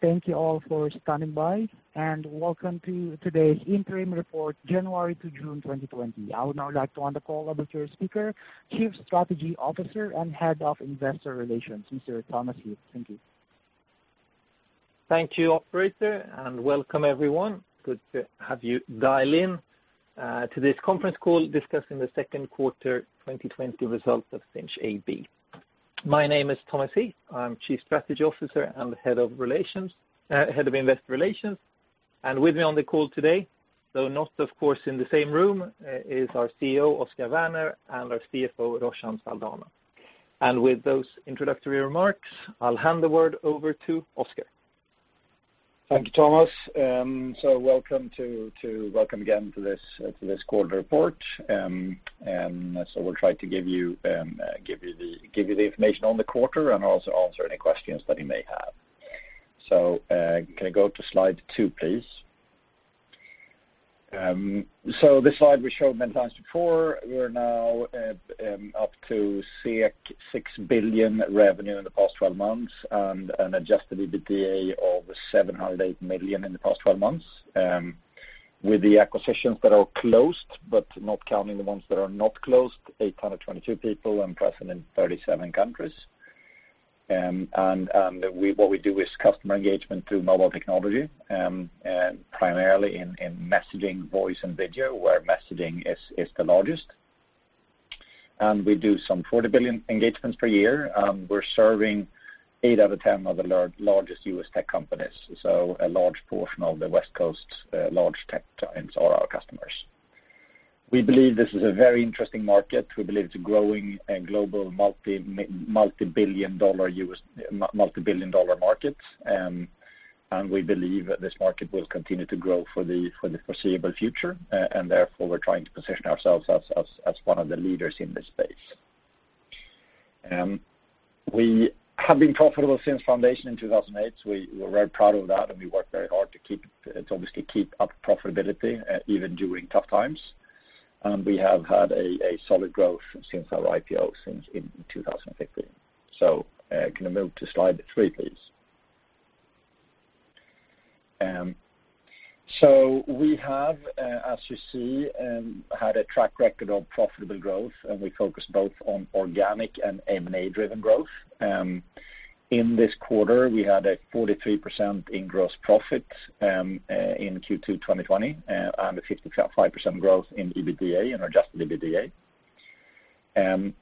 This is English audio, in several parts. Thank you all for standing by. Welcome to today's interim report, January to June 2020. I would now like to hand the call over to our speaker, Chief Strategy Officer and Head of Investor Relations, Mr. Thomas Heath. Thank you. Thank you, operator. Welcome everyone. Good to have you dial in to this conference call discussing the second quarter 2020 results of Sinch AB. My name is Thomas Heath. I'm Chief Strategy Officer and the Head of Investor Relations. With me on the call today, though not, of course, in the same room, is our CEO, Oscar Werner, and our CFO, Roshan Saldanha. With those introductory remarks, I'll hand the word over to Oscar. Thank you, Thomas. Welcome again to this quarter report. We'll try to give you the information on the quarter and also answer any questions that you may have. Can I go to slide two, please? This slide we showed many times before. We're now up to 6 billion revenue in the past 12 months, and an adjusted EBITDA of 708 million in the past 12 months. With the acquisitions that are closed, but not counting the ones that are not closed, 822 people and present in 37 countries. What we do is customer engagement through mobile technology, primarily in messaging, voice, and video, where messaging is the largest. We do some 40 billion engagements per year. We're serving eight out of 10 of the largest U.S. tech companies, so a large portion of the West Coast large tech giants are our customers. We believe this is a very interesting market. We believe it's a growing and global multi-billion dollar market. We believe this market will continue to grow for the foreseeable future, and therefore, we're trying to position ourselves as one of the leaders in this space. We have been profitable since foundation in 2008, so we're very proud of that, and we work very hard to obviously keep up profitability, even during tough times. We have had a solid growth since our IPO in 2015. Can I move to slide three, please? We have, as you see, had a track record of profitable growth, and we focus both on organic and M&A-driven growth. In this quarter, we had a 43% in gross profit in Q2 2020, and a 55% growth in EBITDA, in adjusted EBITDA.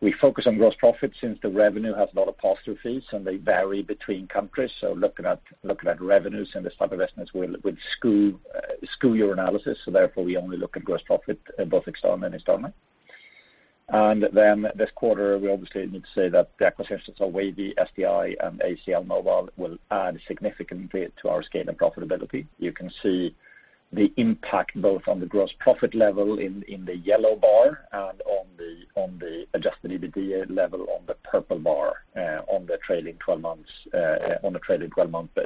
We focus on gross profit since the revenue has a lot of pass-through fees, and they vary between countries. Looking at revenues in this type of business will skew your analysis. Therefore, we only look at gross profit, both external and internal. This quarter, we obviously need to say that the acquisitions of Wavy, SDI, and ACL Mobile will add significantly to our scale and profitability. You can see the impact both on the gross profit level in the yellow bar and on the adjusted EBITDA level on the purple bar, on the trailing 12 months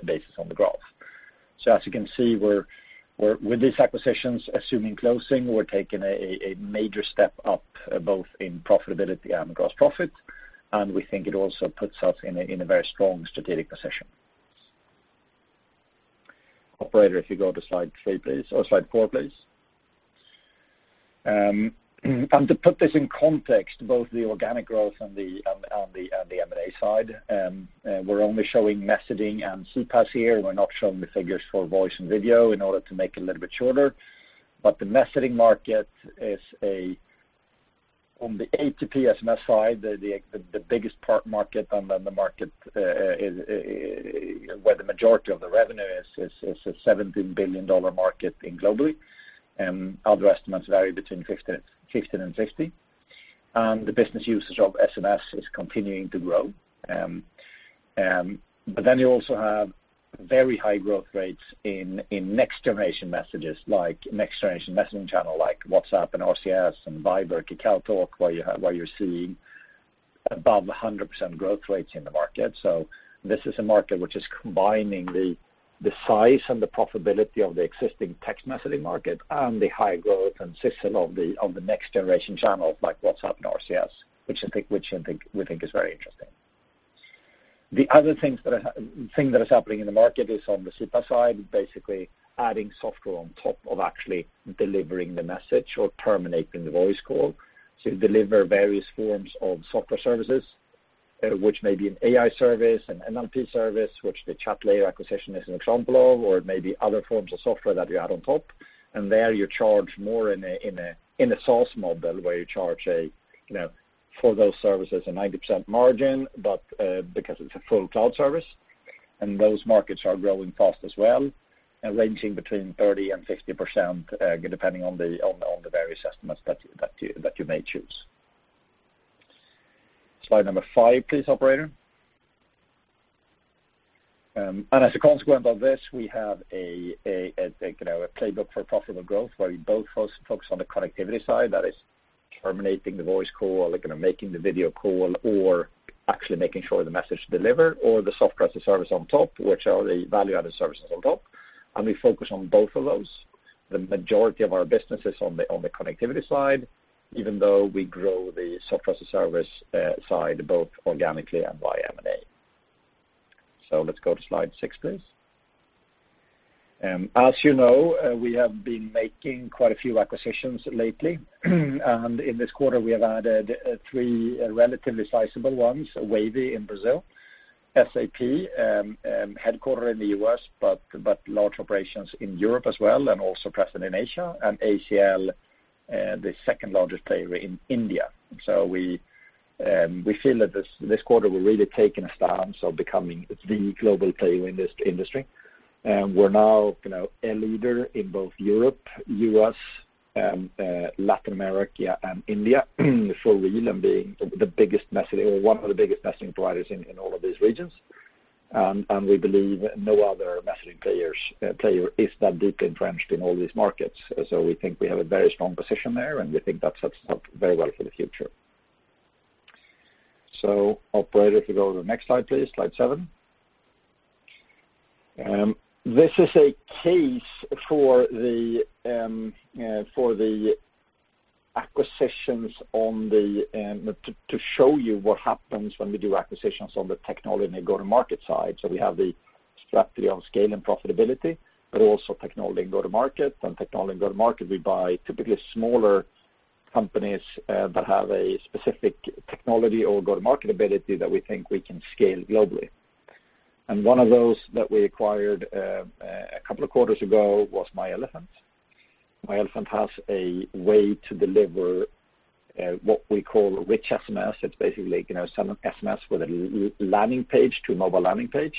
basis on the graph. As you can see, with these acquisitions, assuming closing, we're taking a major step up both in profitability and gross profit, and we think it also puts us in a very strong strategic position. Operator, if you go to slide four, please. To put this in context, both the organic growth and the M&A side, we're only showing messaging and CPaaS here. We're not showing the figures for voice and video in order to make it a little bit shorter. The messaging market is, on the A2P SMS side, the biggest part market and the market where the majority of the revenue is. It's a $17 billion market globally. Other estimates vary between 15 and 60. The business usage of SMS is continuing to grow. Then you also have very high growth rates in next-generation messages, like next-generation messaging channel, like WhatsApp and RCS and Viber, KakaoTalk, where you're seeing above 100% growth rates in the market. This is a market which is combining the size and the profitability of the existing text messaging market and the high growth and system of the next-generation channels like WhatsApp and RCS, which we think is very interesting. The other thing that is happening in the market is on the CPaaS side, basically adding software on top of actually delivering the message or terminating the voice call. You deliver various forms of software services, which may be an AI service, an NLP service, which the Chatlayer acquisition is an example of, or it may be other forms of software that you add on top. There you charge more in a SaaS model where you charge, for those services, a 90% margin, because it's a full cloud service. Those markets are growing fast as well, ranging between 30% and 50%, depending on the various estimates that you may choose. Slide number five, please, operator. As a consequence of this, we have a playbook for profitable growth where we both focus on the connectivity side, that is terminating the voice call, making the video call, or actually making sure the message delivered, or the Software as a Service on top, which are the value-added services on top. We focus on both of those. The majority of our business is on the connectivity side. Even though we grow the Software as a Service side both organically and by M&A. Let's go to slide six, please. As you know, we have been making quite a few acquisitions lately, and in this quarter, we have added three relatively sizable ones. Wavy in Brazil, SAP, headquartered in the U.S., but large operations in Europe as well and also present in Asia. ACL, the second largest player in India. We feel that this quarter we're really taking a stance of becoming the global player in this industry. We're now a leader in both Europe, U.S., Latin America, and India for real, and being one of the biggest messaging providers in all of these regions. We believe no other messaging player is that deeply entrenched in all these markets. We think we have a very strong position there, and we think that sets us up very well for the future. Operator, if you go to the next slide, please, slide seven. This is a case for the acquisitions to show you what happens when we do acquisitions on the technology and go-to-market side. We have the strategy on scale and profitability, but also technology and go-to-market. On technology and go-to-market, we buy typically smaller companies that have a specific technology or go-to-market ability that we think we can scale globally. One of those that we acquired a couple of quarters ago was myElefant. myElefant has a way to deliver what we call Rich SMS. It's basically some SMS with a landing page to a mobile landing page,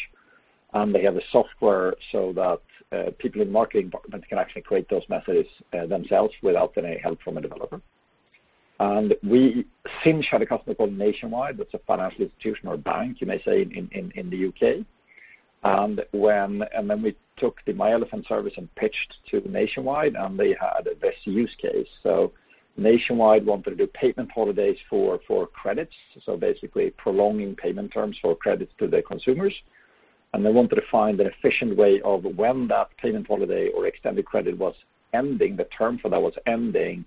and they have a software so that people in marketing departments can actually create those messages themselves without any help from a developer. Sinch had a customer called Nationwide, that's a financial institution or bank, you may say, in the U.K. We took the myElefant service and pitched to Nationwide, and they had a best use case. Nationwide wanted to do payment holidays for credits, so basically prolonging payment terms for credits to their consumers. They wanted to find an efficient way of when that payment holiday or extended credit was ending, the term for that was ending,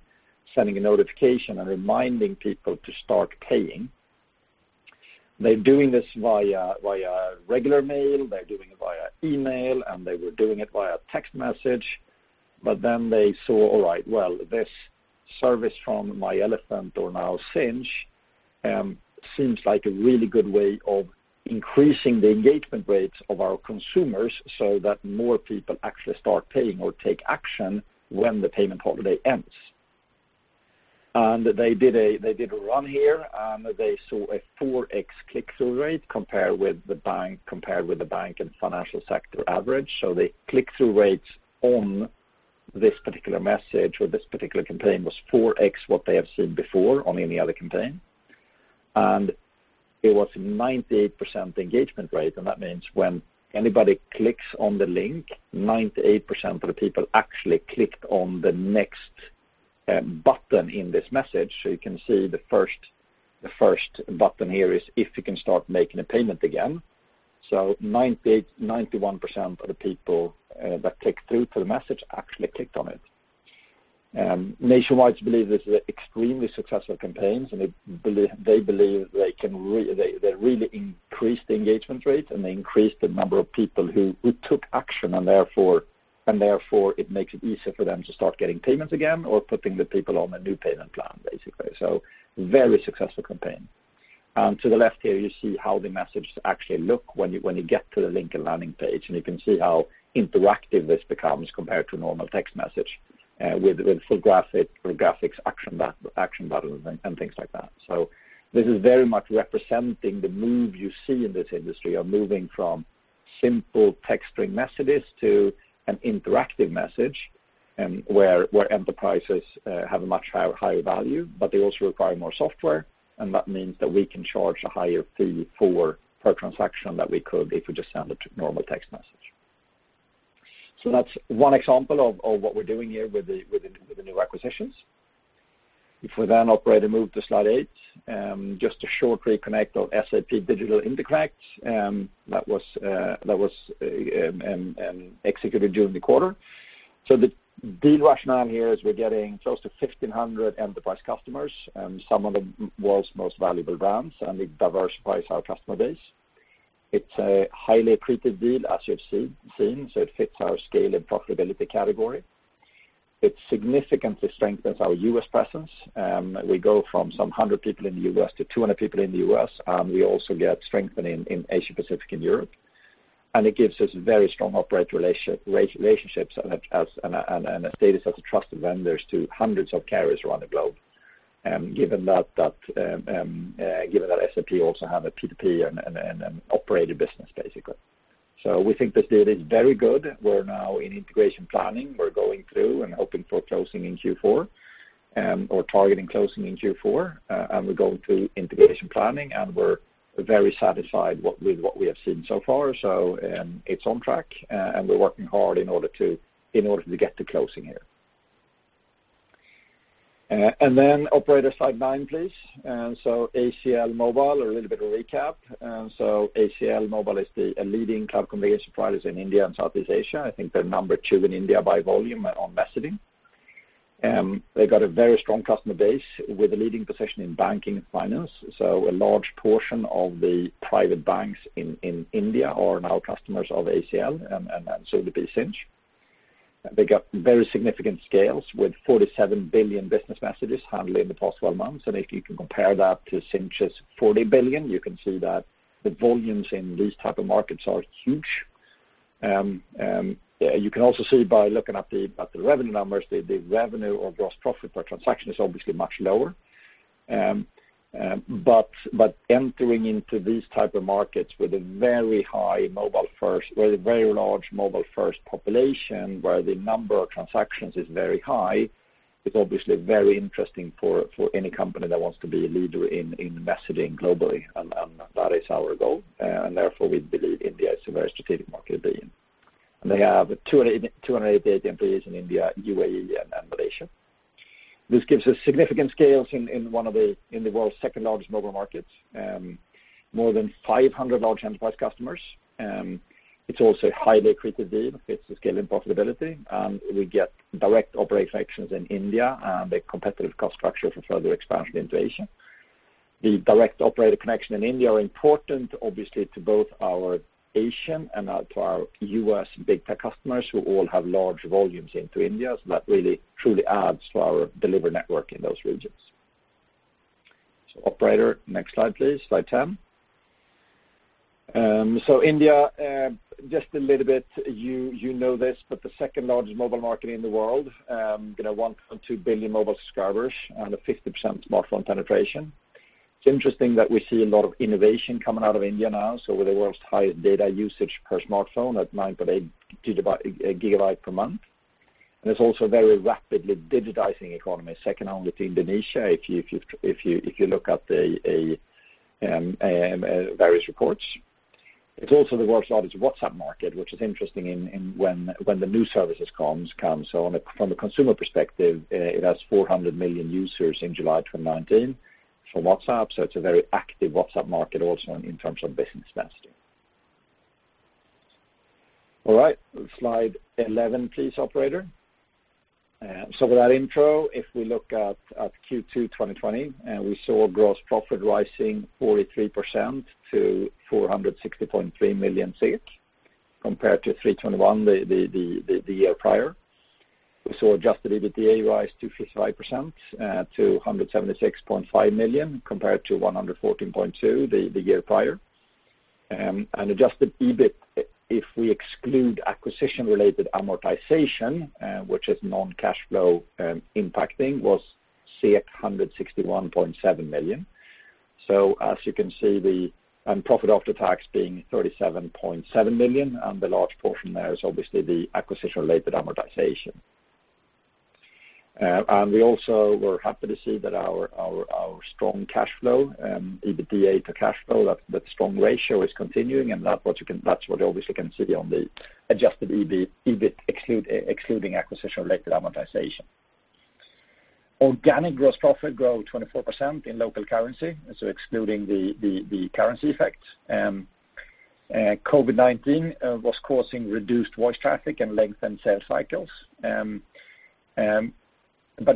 sending a notification and reminding people to start paying. They're doing this via regular mail, they're doing it via email, and they were doing it via text message. They saw, all right, well, this service from myElefant or now Sinch, seems like a really good way of increasing the engagement rates of our consumers so that more people actually start paying or take action when the payment holiday ends. They did a run here, and they saw a 4x click-through rate compared with the bank and financial sector average. The click-through rates on this particular message or this particular campaign was 4X what they have seen before on any other campaign. It was 98% engagement rate, and that means when anybody clicks on the link, 98% of the people actually clicked on the next button in this message. You can see the first button here is if you can start making a payment again. 91% of the people that click through to the message actually clicked on it. Nationwide believe this is extremely successful campaigns, and they believe they really increased engagement rate, and they increased the number of people who took action, and therefore, it makes it easier for them to start getting payments again or putting the people on a new payment plan, basically. Very successful campaign. To the left here, you see how the message actually look when you get to the link and landing page. You can see how interactive this becomes compared to a normal text message, with full graphics, action buttons, and things like that. This is very much representing the move you see in this industry, of moving from simple text messages to an interactive message, where enterprises have a much higher value, but they also require more software. That means that we can charge a higher fee per transaction than we could if we just send a normal text message. That's one example of what we're doing here with the new acquisitions. If we then, operator, move to slide eight. Just a short reconnect on SAP Digital Interconnect, that was executed during the quarter. The deal rationale here is we're getting close to 1,500 enterprise customers, and some of the world's most valuable brands, and it diversifies our customer base. It's a highly accretive deal, as you have seen, so it fits our scale and profitability category. It significantly strengthens our U.S. presence. We go from some 100 people in the U.S. to 200 people in the U.S. We also get strengthening in Asia Pacific and Europe. It gives us very strong operator relationships and a status as a trusted vendor to hundreds of carriers around the globe. Given that SAP also have a P2P and an operator business, basically. We think this deal is very good. We're now in integration planning. We're going through and hoping for closing in Q4. Targeting closing in Q4. We're going through integration planning. We're very satisfied with what we have seen so far. It's on track. We're working hard in order to get to closing here. Operator, slide nine, please. ACL Mobile, a little bit of recap. ACL Mobile is the leading cloud communication providers in India and Southeast Asia. I think they're number two in India by volume on messaging. They've got a very strong customer base with a leading position in banking and finance. A large portion of the private banks in India are now customers of ACL, and soon to be Sinch. They got very significant scales with 47 billion business messages handled in the past 12 months. If you can compare that to Sinch's 40 billion, you can see that the volumes in these type of markets are huge. You can also see by looking at the revenue numbers, the revenue or gross profit per transaction is obviously much lower. Entering into these type of markets with a very large mobile-first population, where the number of transactions is very high, is obviously very interesting for any company that wants to be a leader in messaging globally, and that is our goal. Therefore, we believe India is a very strategic market to be in. They have 288 employees in India, UAE, and Malaysia. This gives us significant scales in the world's second largest mobile market, and more than 500 large enterprise customers. It's also a highly accretive deal, fits the scale investibility. We get direct operator connections in India, and a competitive cost structure for further expansion into Asia. The direct operator connection in India are important, obviously, to both our Asian and to our U.S. big tech customers, who all have large volumes into India. That really, truly adds to our delivery network in those regions. Operator, next slide, please. Slide 10. India, just a little bit, you know this, but the second largest mobile market in the world, going to one or two billion mobile subscribers and a 50% smartphone penetration. It's interesting that we see a lot of innovation coming out of India now. We have the world's highest data usage per smartphone at 9.8 GB per month. It's also very rapidly digitizing economy, second only to Indonesia, if you look at various reports. It's also the world's largest WhatsApp market, which is interesting when the new services comes. From a consumer perspective, it has 400 million users in July 2019 for WhatsApp. It's a very active WhatsApp market also in terms of business messaging. All right, slide 11, please, operator. With that intro, if we look at Q2 2020, we saw gross profit rising 43% to 460.3 million, compared to 321 the year prior. We saw adjusted EBITDA rise to 55%, to 176.5 million, compared to 114.2 the year prior. Adjusted EBIT, if we exclude acquisition-related amortization, which is non-cash-flow-impacting, was 161.7 million. As you can see, the profit after tax being 37.7 million, and the large portion there is obviously the acquisition-related amortization. We also were happy to see that our strong cash flow, EBITDA to cash flow, that strong ratio is continuing, and that's what obviously you can see on the adjusted EBIT, excluding acquisition-related amortization. Organic gross profit grow 24% in local currency, excluding the currency effect. COVID-19 was causing reduced voice traffic and lengthened sales cycles.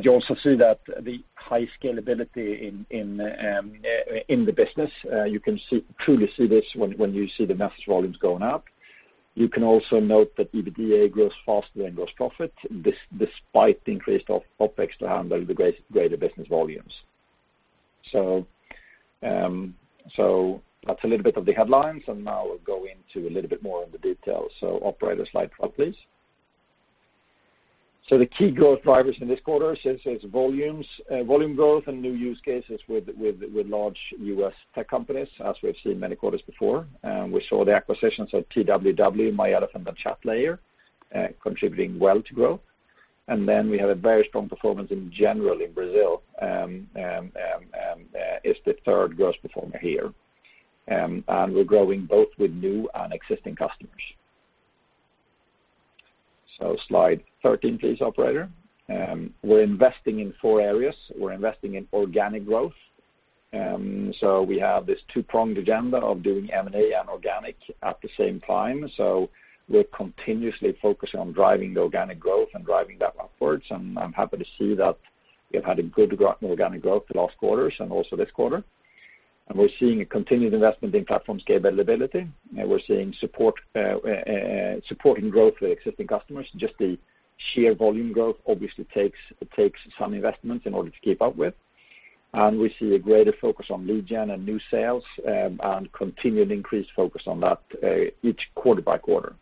You also see that the high scalability in the business, you can truly see this when you see the message volumes going up. You can also note that EBITDA grows faster than gross profit, despite increased OpEx to handle the greater business volumes. That's a little bit of the headlines, and now we'll go into a little bit more of the details. Operator, slide 12, please. The key growth drivers in this quarter, Sinch sees volume growth and new use cases with large U.S. tech companies, as we have seen many quarters before. We saw the acquisitions of TWW, myElefant and Chatlayer, contributing well to growth. We have a very strong performance in general in Brazil, and it's the third gross performer here. We're growing both with new and existing customers. Slide 13, please, operator. We're investing in four areas. We're investing in organic growth. We have this two-pronged agenda of doing M&A and organic at the same time. We're continuously focusing on driving the organic growth and driving that upwards. I'm happy to see that we've had a good organic growth the last quarters and also this quarter. We're seeing a continued investment in platform scalability. We're seeing supporting growth with existing customers. Just the sheer volume growth obviously takes some investment in order to keep up with. We see a greater focus on lead gen and new sales, and continued increased focus on that each quarter by quarter.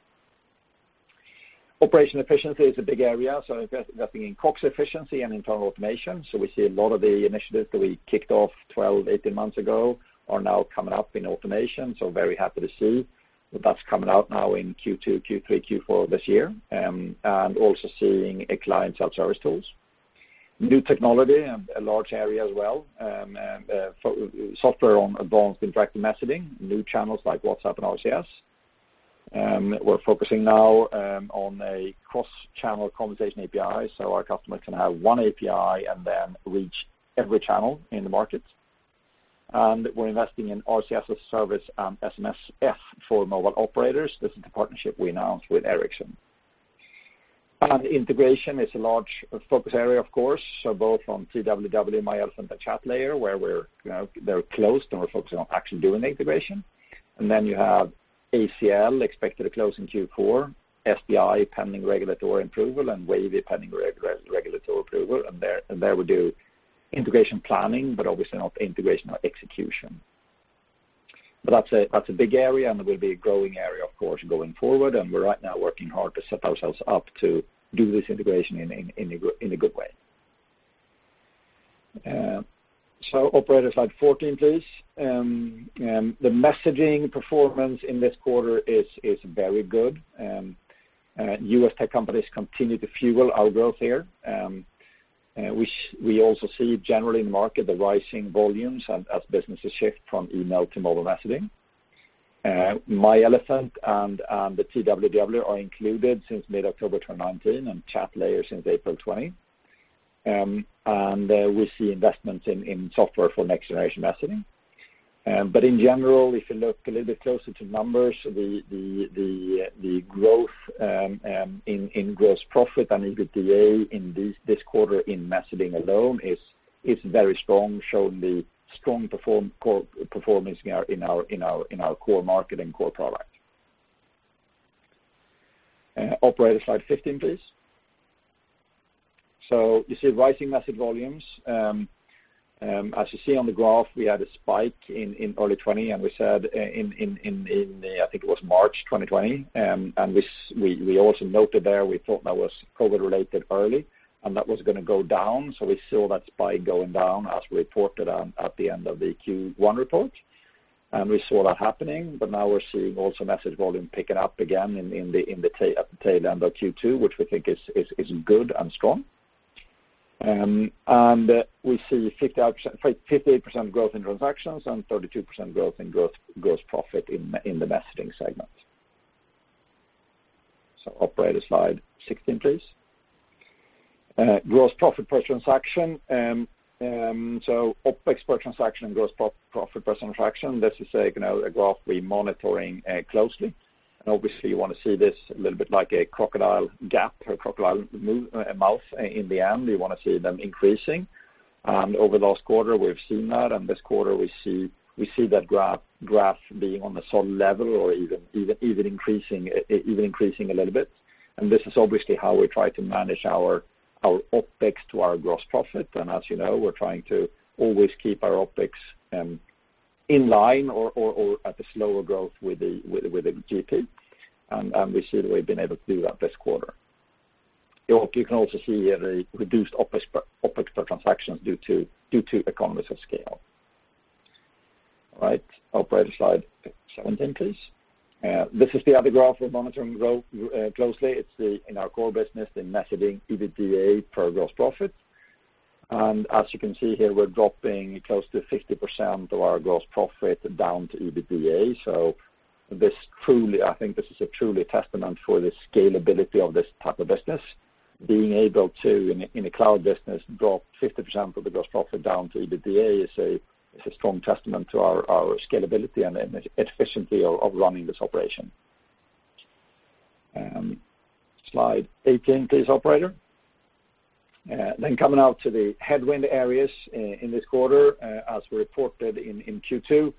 Operational efficiency is a big area, so investing in COGS efficiency and internal automation. We see a lot of the initiatives that we kicked off 12, 18 months ago are now coming up in automation. Very happy to see that that's coming out now in Q2, Q3, Q4 this year. Also seeing a client self-service tools. New technology, a large area as well. Software on advanced interactive messaging, new channels like WhatsApp and RCS. We're focusing now on a cross-channel Conversation API, so our customers can have one API and then reach every channel in the market. We're investing in RCS as service and SMSF for mobile operators. This is the partnership we announced with Ericsson. Integration is a large focus area, of course, so both on TWW, myElefant, the Chatlayer, where they're close and we're focusing on actually doing the integration. You have ACL expected to close in Q4, SDI pending regulatory approval, and Wavy pending regulatory approval. There we do integration planning, but obviously not integration or execution. That's a big area, and will be a growing area, of course, going forward. We're right now working hard to set ourselves up to do this integration in a good way. Operator, slide 14, please. The messaging performance in this quarter is very good. U.S. tech companies continue to fuel our growth here, which we also see generally in the market, the rising volumes as businesses shift from email to mobile messaging. myElefant and the TWW are included since mid-October 2019 and Chatlayer since April 2020. We see investments in software for next-generation messaging. In general, if you look a little bit closer to numbers, the growth in gross profit and EBITDA in this quarter in messaging alone is very strong, showing the strong performance in our core market and core product. Operator, slide 15, please. You see rising message volumes. As you see on the graph, we had a spike in early 2020, and we said in, I think it was March 2020, and we also noted there, we thought that was COVID related early, and that was going to go down. We saw that spike going down as reported at the end of the Q1 report. We saw that happening, but now we're seeing also message volume picking up again in the tail end of Q2, which we think is good and strong. We see 58% growth in transactions and 32% growth in gross profit in the messaging segment. Operator, slide 16, please. Gross profit per transaction. OpEx per transaction, gross profit per transaction, this is a graph we're monitoring closely. Obviously, you want to see this a little bit like a crocodile gap or crocodile mouth. In the end, we want to see them increasing. Over the last quarter, we've seen that. This quarter, we see that graph being on a solid level or even increasing a little bit. This is obviously how we try to manage our OpEx to our gross profit. As you know, we're trying to always keep our OPEX in line or at a slower growth with the GP. We see that we've been able to do that this quarter. You can also see here the reduced OPEX per transactions due to economies of scale. All right, operator, slide 17, please. This is the other graph we're monitoring growth closely. It's in our core business, the messaging EBITDA per gross profit. As you can see here, we're dropping close to 50% of our gross profit down to EBITDA. I think this is a truly testament for the scalability of this type of business. Being able to, in a cloud business, drop 50% of the gross profit down to EBITDA is a strong testament to our scalability and efficiency of running this operation. Slide 18 please, operator. Coming out to the headwind areas in this quarter, as reported in Q2,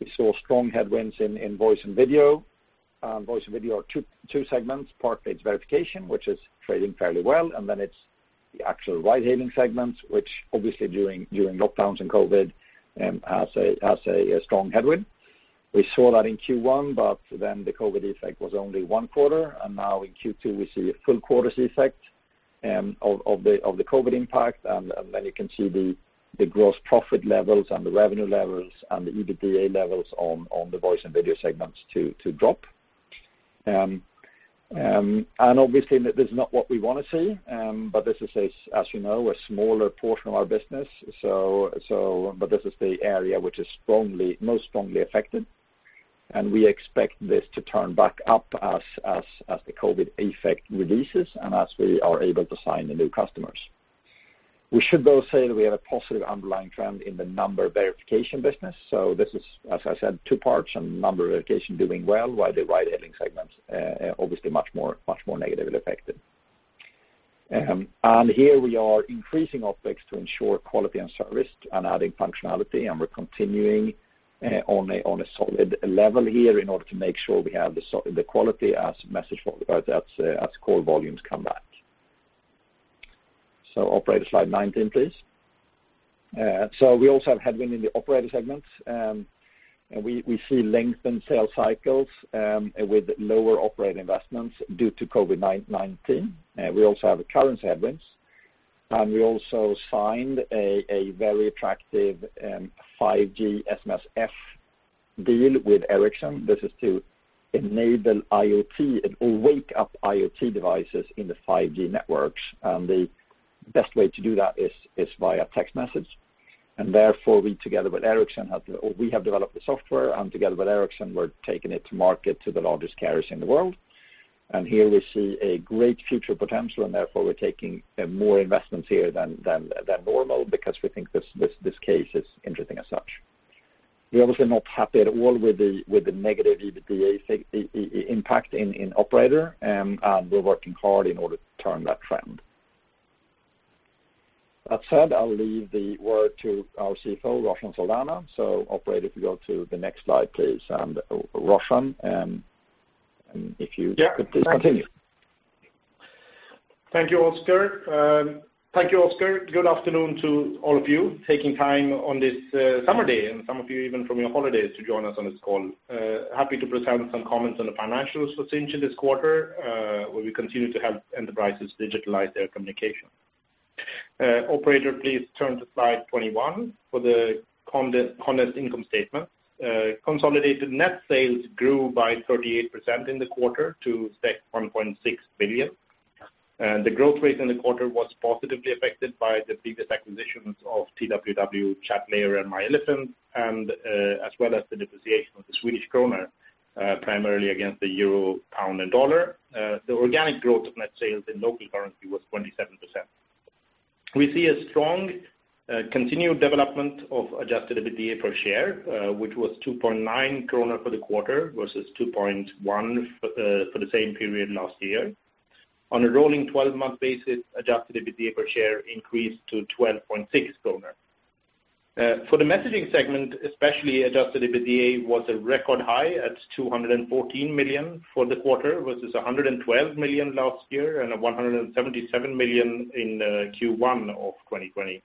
we saw strong headwinds in voice and video. Voice and video are two segments. Part is verification, which is trading fairly well, and then it's the actual ride-hailing segment, which obviously during lockdowns and COVID, has a strong headwind. We saw that in Q1, but then the COVID effect was only one quarter, and now in Q2, we see a full quarter's effect of the COVID impact. You can see the gross profit levels and the revenue levels and the EBITDA levels on the voice and video segments to drop. Obviously, this is not what we want to see. This is, as you know, a smaller portion of our business. This is the area which is most strongly affected. We expect this to turn back up as the COVID effect releases and as we are able to sign the new customers. We should though say that we have a positive underlying trend in the number verification business. This is, as I said, two parts, and number verification doing well, while the ride-hailing segment's obviously much more negatively affected. Here we are increasing OpEx to ensure quality and service and adding functionality, and we're continuing on a solid level here in order to make sure we have the quality as core volumes come back. Operator, slide 19, please. We also have headwind in the operator segment. We see lengthened sales cycles with lower operating investments due to COVID-19. We also have currency headwinds, and we also signed a very attractive 5G SMSF deal with Ericsson. This is to enable IoT. It will wake up IoT devices in the 5G networks, the best way to do that is via text message. Therefore, we have developed the software and together with Ericsson, we're taking it to market to the largest carriers in the world. Here we see a great future potential, therefore, we're taking more investments here than normal because we think this case is interesting as such. We're obviously not happy at all with the negative EBITDA impact in operator, we're working hard in order to turn that trend. That said, I'll leave the word to our CFO, Roshan Saldanha. Operator, if you go to the next slide, please. Roshan, if you could please continue. Thank you, Oscar. Good afternoon to all of you, taking time on this summer day, and some of you even from your holidays to join us on this call. Happy to present some comments on the financials for Sinch this quarter, where we continue to help enterprises digitalize their communication. Operator, please turn to slide 21 for the condensed income statement. Consolidated net sales grew by 38% in the quarter to 1.6 billion. The growth rate in the quarter was positively affected by the previous acquisitions of TWW, Chatlayer, and myElefant, as well as the depreciation of the Swedish krona primarily against the euro, pound, and dollar. The organic growth of net sales in local currency was 27%. We see a strong continued development of adjusted EBITDA per share, which was 2.9 krona for the quarter versus 2.1 for the same period last year. On a rolling 12-month basis, adjusted EBITDA per share increased to 12.6 kronor. For the messaging segment, especially, adjusted EBITDA was a record high at 214 million for the quarter versus 112 million last year and 177 million in Q1 of 2020.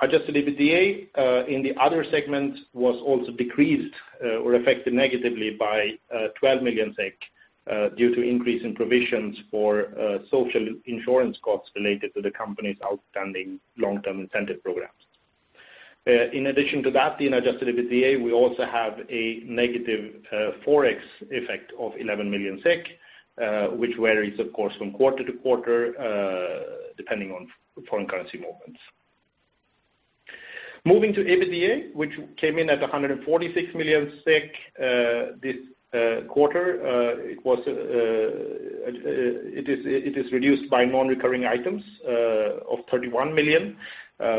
Adjusted EBITDA in the other segment was also decreased or affected negatively by 12 million SEK due to increase in provisions for social insurance costs related to the company's outstanding long-term incentive programs. In addition to that, the adjusted EBITDA, we also have a negative Forex effect of 11 million SEK, which varies, of course, from quarter-to-quarter, depending on foreign currency movements. Moving to EBITDA, which came in at 146 million SEK this quarter. It is reduced by non-recurring items of 31 million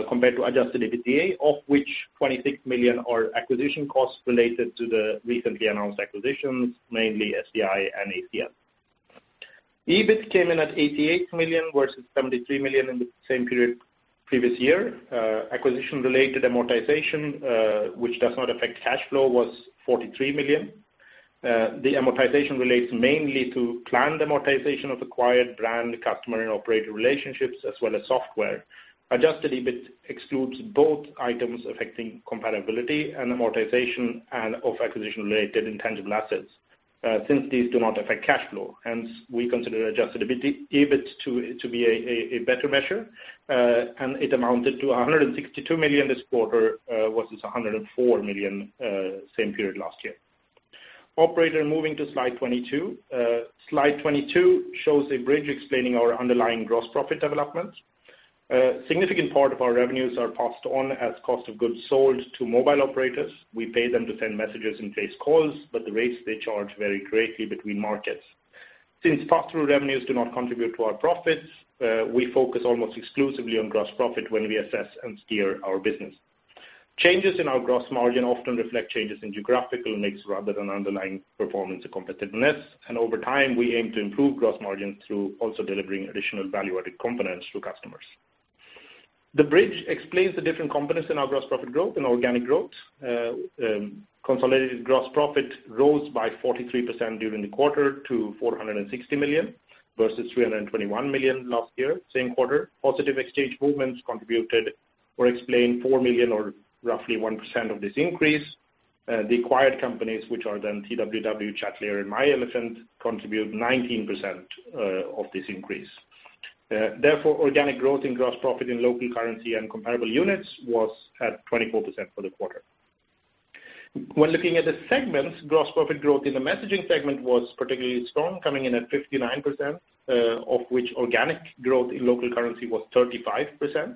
compared to adjusted EBITDA, of which 26 million are acquisition costs related to the recently announced acquisitions, mainly SDI and ACL Mobile. EBIT came in at 88 million versus 73 million in the same period previous year. Acquisition-related amortization, which does not affect cash flow, was 43 million. The amortization relates mainly to planned amortization of acquired brand, customer, and operator relationships as well as software. Adjusted EBIT excludes both items affecting comparability and amortization and of acquisition-related intangible assets. These do not affect cash flow, hence we consider adjusted EBIT to be a better measure, and it amounted to 162 million this quarter versus 104 million same period last year. Operator, moving to slide 22. Slide 22 shows a bridge explaining our underlying gross profit development. A significant part of our revenues are passed on as cost of goods sold to mobile operators. We pay them to send messages and place calls, but the rates they charge vary greatly between markets. Since pass-through revenues do not contribute to our profits, we focus almost exclusively on gross profit when we assess and steer our business. Changes in our gross margin often reflect changes in geographical mix rather than underlying performance or competitiveness, and over time, we aim to improve gross margin through also delivering additional value-added components to customers. The bridge explains the different components in our gross profit growth and organic growth. Consolidated gross profit rose by 43% during the quarter to 460 million versus 321 million last year, same quarter. Positive exchange movements contributed or explained 4 million or roughly 1% of this increase. The acquired companies, which are then TWW, Chatlayer, and myElefant, contribute 19% of this increase. Organic growth in gross profit in local currency and comparable units was at 24% for the quarter. When looking at the segments, gross profit growth in the messaging segment was particularly strong, coming in at 59%, of which organic growth in local currency was 35%.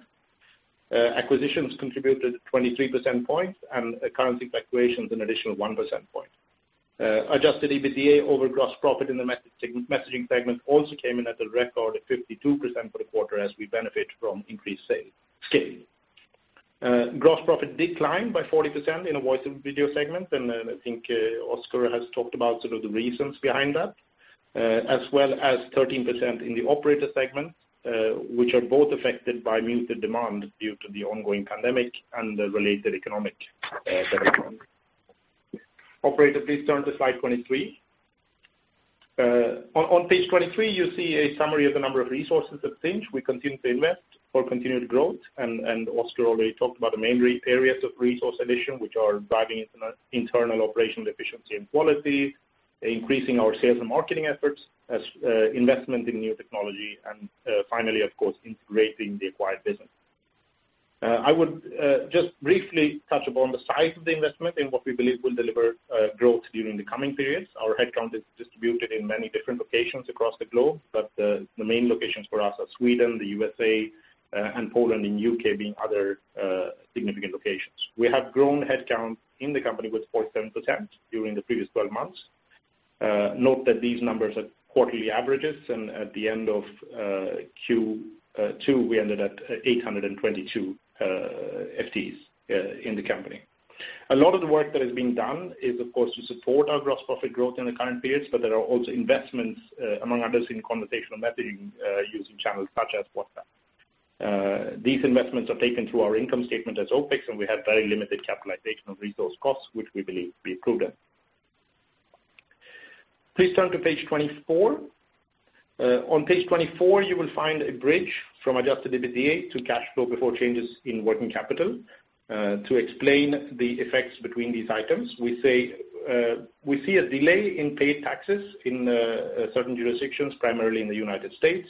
Acquisitions contributed 23% points and currency fluctuations an additional 1% point. Adjusted EBITDA over gross profit in the messaging segment also came in at a record 52% for the quarter as we benefit from increased scaling. Gross profit declined by 40% in a voice and video segment, I think Oscar has talked about sort of the reasons behind that, as well as 13% in the operator segment, which are both affected by muted demand due to the ongoing pandemic and the related economic development. Operator, please turn to slide 23. On page 23, you see a summary of the number of resources at Sinch. We continue to invest for continued growth, and Oscar already talked about the main areas of resource addition, which are driving internal operational efficiency and quality, increasing our sales and marketing efforts, investment in new technology, and finally, of course, integrating the acquired business. I would just briefly touch upon the size of the investment and what we believe will deliver growth during the coming periods. Our headcount is distributed in many different locations across the globe, but the main locations for us are Sweden, the U.S., and Poland, and U.K. being other significant locations. We have grown headcount in the company with 47% during the previous 12 months. Note that these numbers are quarterly averages, and at the end of Q2, we ended at 822 FTEs in the company. A lot of the work that is being done is, of course, to support our gross profit growth in the current periods, but there are also investments, among others, in conversational messaging using channels such as WhatsApp. These investments are taken through our income statement as OPEX, and we have very limited capitalization of resource costs, which we believe to be prudent. Please turn to page 24. On page 24, you will find a bridge from adjusted EBITDA to cash flow before changes in working capital. To explain the effects between these items, we see a delay in paid taxes in certain jurisdictions, primarily in the United States,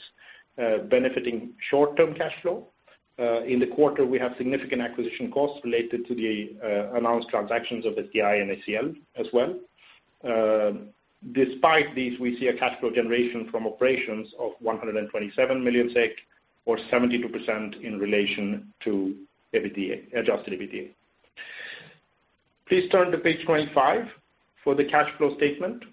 benefiting short-term cash flow. In the quarter, we have significant acquisition costs related to the announced transactions of SDI and ACL as well. Despite these, we see a cash flow generation from operations of 127 million SEK, or 72% in relation to adjusted EBITDA. Please turn to page 25 for the cash flow statement.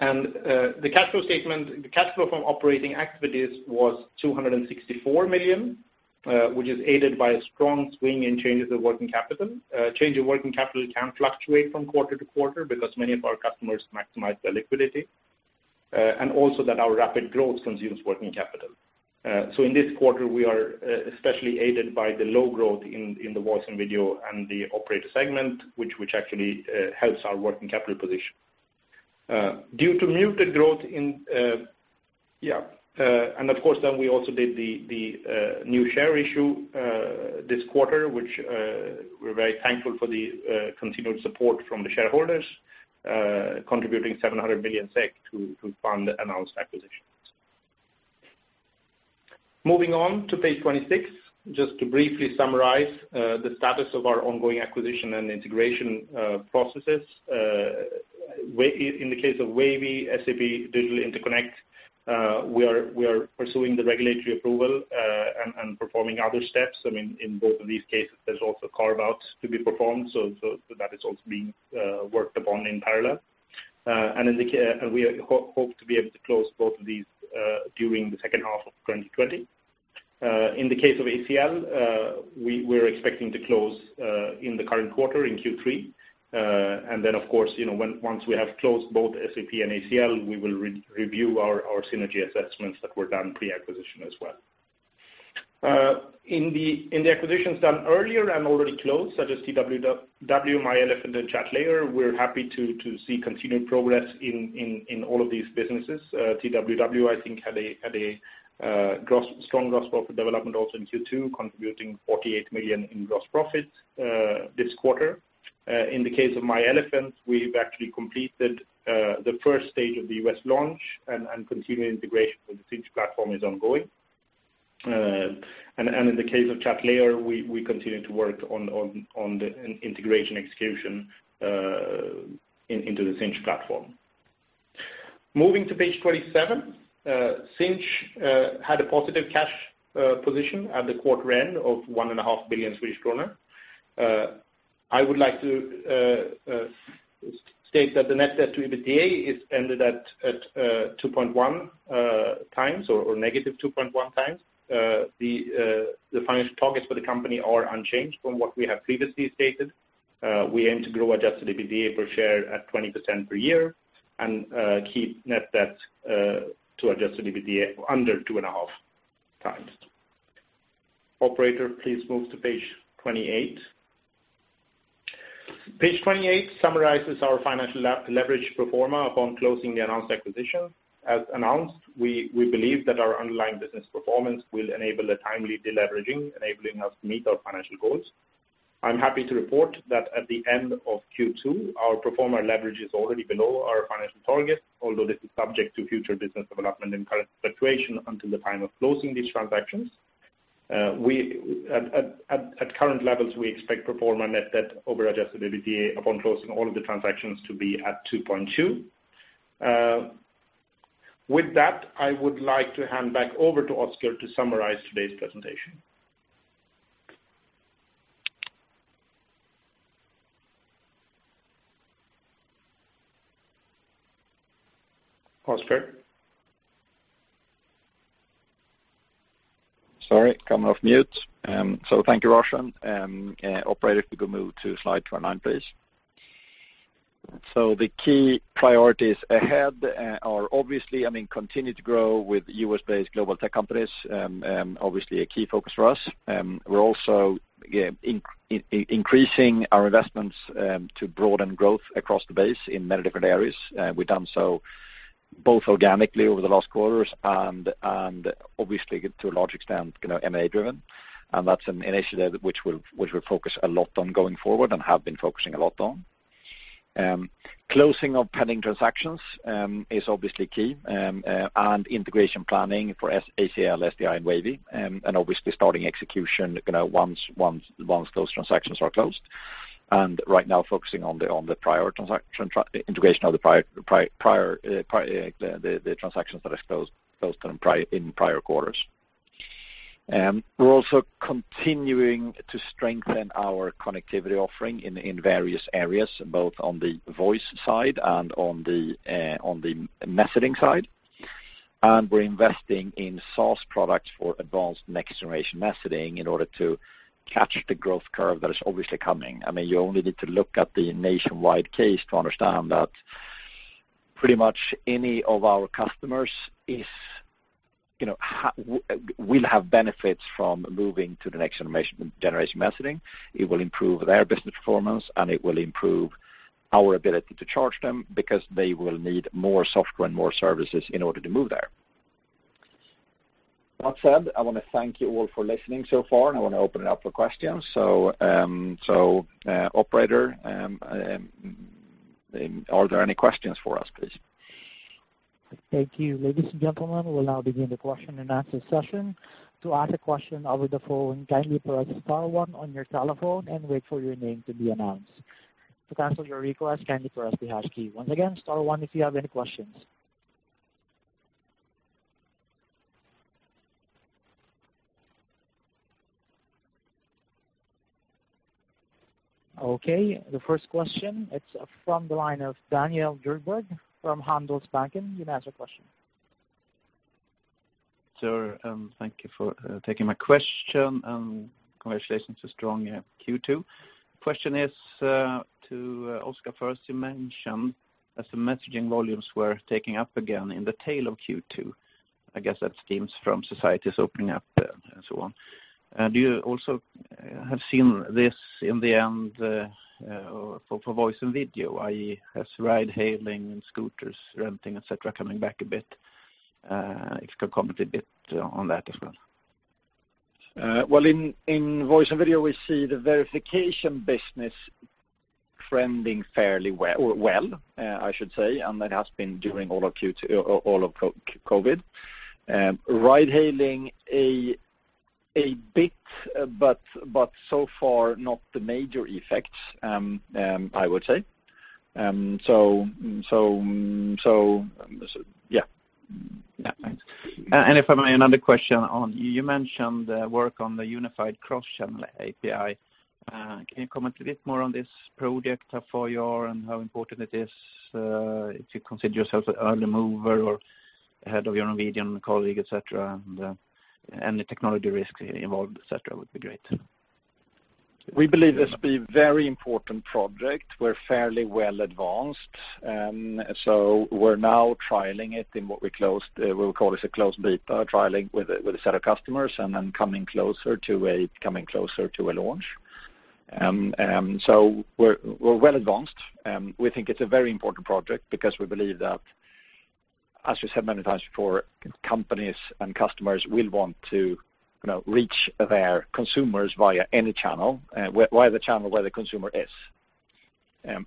The cash flow statement, the cash flow from operating activities was 264 million, which is aided by a strong swing in changes of working capital. Change in working capital can fluctuate from quarter to quarter because many of our customers maximize their liquidity, and also that our rapid growth consumes working capital. In this quarter, we are especially aided by the low growth in the voice and video and the operator segment, which actually helps our working capital position. Of course, then we also did the new share issue this quarter, which we are very thankful for the continued support from the shareholders, contributing 700 million SEK to fund the announced acquisitions. Moving on to page 26, just to briefly summarize the status of our ongoing acquisition and integration processes. In the case of Wavy, SAP Digital Interconnect, we are pursuing the regulatory approval and performing other steps. In both of these cases, there's also carve-outs to be performed, that is also being worked upon in parallel. We hope to be able to close both of these during the second half of 2020. In the case of ACL, we're expecting to close in the current quarter, in Q3. Then, of course, once we have closed both SAP and ACL, we will review our synergy assessments that were done pre-acquisition as well. In the acquisitions done earlier and already closed, such as TWW, myElefant, and Chatlayer, we're happy to see continued progress in all of these businesses. TWW, I think, had a strong gross profit development also in Q2, contributing 48 million in gross profit this quarter. In the case of myElefant, we've actually completed the first stage of the U.S. launch, continued integration with the Sinch platform is ongoing. In the case of Chatlayer, we continue to work on the integration execution into the Sinch platform. Moving to page 25, Sinch had a positive cash position at the quarter end of 1.5 billion Swedish kronor. I would like to state that the net debt to EBITDA ended at 2.1 times or negative 2.1 times. The financial targets for the company are unchanged from what we have previously stated. We aim to grow adjusted EBITDA per share at 20% per year and keep net debt to adjusted EBITDA under 2.5 times. Operator, please move to page 28. Page 28 summarizes our financial leverage pro forma upon closing the announced acquisition. As announced, we believe that our underlying business performance will enable a timely deleveraging, enabling us to meet our financial goals. I'm happy to report that at the end of Q2, our pro forma leverage is already below our financial target, although this is subject to future business development and current situation until the time of closing these transactions. At current levels, we expect pro forma net debt over adjusted EBITDA upon closing all of the transactions to be at 2.2. With that, I would like to hand back over to Oscar to summarize today's presentation. Oscar? Sorry, coming off mute. Thank you, Roshan. Operator, if you could move to slide 29, please. The key priorities ahead are obviously, continue to grow with U.S.-based global tech companies, obviously a key focus for us. We're also increasing our investments to broaden growth across the base in many different areas. We've done so both organically over the last quarters and obviously to a large extent M&A driven. That's an initiative which we're focused a lot on going forward and have been focusing a lot on. Closing of pending transactions is obviously key, integration planning for ACL, SDI, and Wavy, and obviously starting execution once those transactions are closed. Right now focusing on the integration of the transactions that are closed in prior quarters. We're also continuing to strengthen our connectivity offering in various areas, both on the voice side and on the messaging side. We're investing in SaaS products for advanced next-generation messaging in order to catch the growth curve that is obviously coming. You only need to look at the Nationwide case to understand that pretty much any of our customers will have benefits from moving to the next-generation messaging. It will improve their business performance, and it will improve our ability to charge them, because they will need more software and more services in order to move there. That said, I want to thank you all for listening so far, and I want to open it up for questions. Operator, are there any questions for us, please? Thank you. Ladies and gentlemen, we'll now begin the question and answer session. To ask a question over the phone, kindly press star one on your telephone and wait for your name to be announced. To cancel your request, kindly press the hash key. Once again, star one if you have any questions. Okay. The first question, it's from the line of Daniel Djurberg from Handelsbanken. You may ask your question. Sir, thank you for taking my question, and congratulations on a strong Q2. Question is to Oscar first. You mentioned that the messaging volumes were taking up again in the tail of Q2. I guess that stems from societies opening up, and so on. Do you also have seen this in the end for voice and video, i.e., as ride hailing and scooters renting, et cetera, coming back a bit? If you could comment a bit on that as well. Well, in voice and video, we see the verification business trending fairly well, or well, I should say, and that has been during all of COVID. Ride hailing, a bit, but so far not the major effects, I would say. Yeah. Yeah. Thanks. If I may, another question on, you mentioned the work on the unified cross-channel API. Can you comment a bit more on this project and how important it is to consider yourself an early mover or ahead of your Norwegian colleague, et cetera, and the technology risk involved, et cetera, would be great. We believe this to be a very important project. We're fairly well advanced. We're now trialing it in what we call as a closed beta, trialing with a set of customers and then coming closer to a launch. We're well advanced. We think it's a very important project because we believe that, as we said many times before, companies and customers will want to reach their consumers via any channel, via the channel where the consumer is.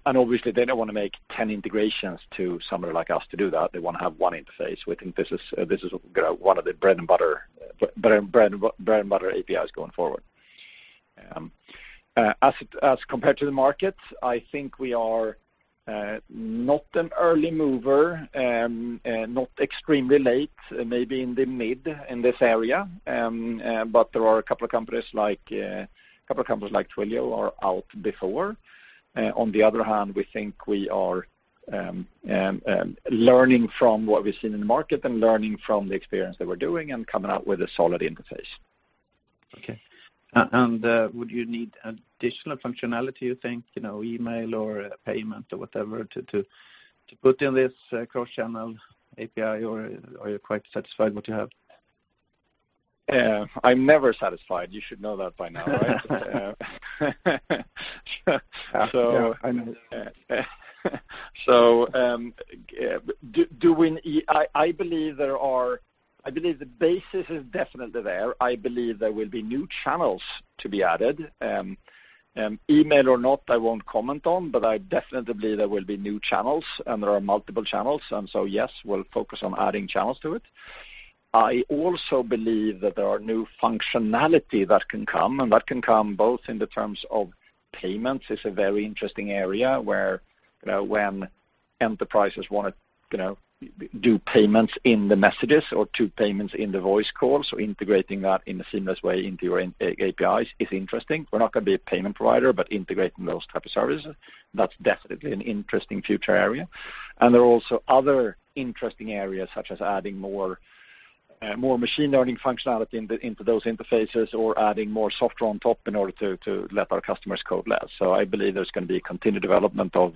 Obviously, they don't want to make 10 integrations to somebody like us to do that. They want to have one interface. We think this is one of the bread and butter APIs going forward. As compared to the market, I think we are not an early mover, not extremely late, maybe in the mid in this area. There are a couple of companies like Twilio are out before. On the other hand, we think we are learning from what we've seen in the market and learning from the experience that we're doing and coming out with a solid interface. Okay. Would you need additional functionality, you think, email or payment or whatever, to put in this cross-channel API, or are you quite satisfied with what you have? I'm never satisfied. You should know that by now, right? Yeah, I know. I believe the basis is definitely there. I believe there will be new channels to be added. Email or not, I won't comment on, but I definitely believe there will be new channels, and there are multiple channels, yes, we'll focus on adding channels to it. I also believe that there are new functionality that can come, and that can come both in the terms of payments, is a very interesting area where when enterprises want to do payments in the messages or do payments in the voice calls, integrating that in a seamless way into your APIs is interesting. We're not going to be a payment provider, integrating those type of services, that's definitely an interesting future area. There are also other interesting areas, such as adding more machine learning functionality into those interfaces or adding more software on top in order to let our customers code less. I believe there's going to be continued development of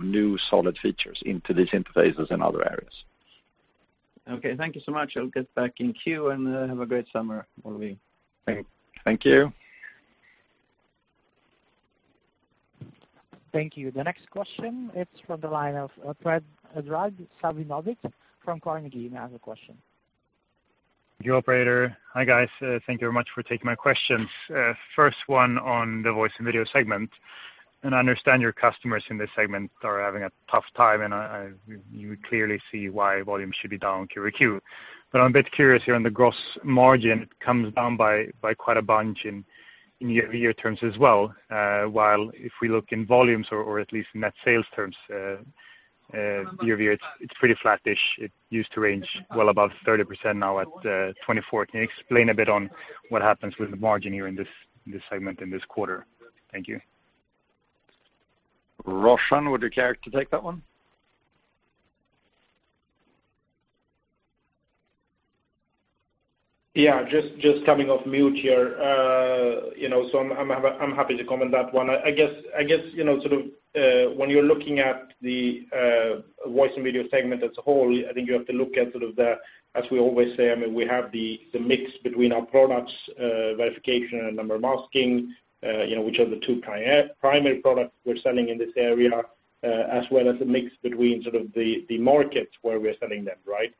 new solid features into these interfaces in other areas. Okay. Thank you so much. I'll get back in queue, and have a great summer, all of you. Thank you. Thank you. The next question, it's from the line of Fredrik Sävje from Carnegie. You may ask your question. You, operator. Hi, guys. Thank you very much for taking my questions. First one on the voice and video segment. I understand your customers in this segment are having a tough time, and you clearly see why volume should be down Q-over-Q. I'm a bit curious here on the gross margin. It comes down by quite a bunch in year-over-year terms as well. While if we look in volumes or at least net sales terms, year-over-year, it's pretty flat-ish. It used to range well above 30%, now at 24. Can you explain a bit on what happens with the margin here in this segment in this quarter? Thank you. Roshan, would you care to take that one? Yeah, just coming off mute here. I'm happy to comment on that one. I guess, when you're looking at the voice and video segment as a whole, I think you have to look at, as we always say, we have the mix between our products, verification and number masking, which are the two primary products we're selling in this area, as well as a mix between the markets where we're selling them, right?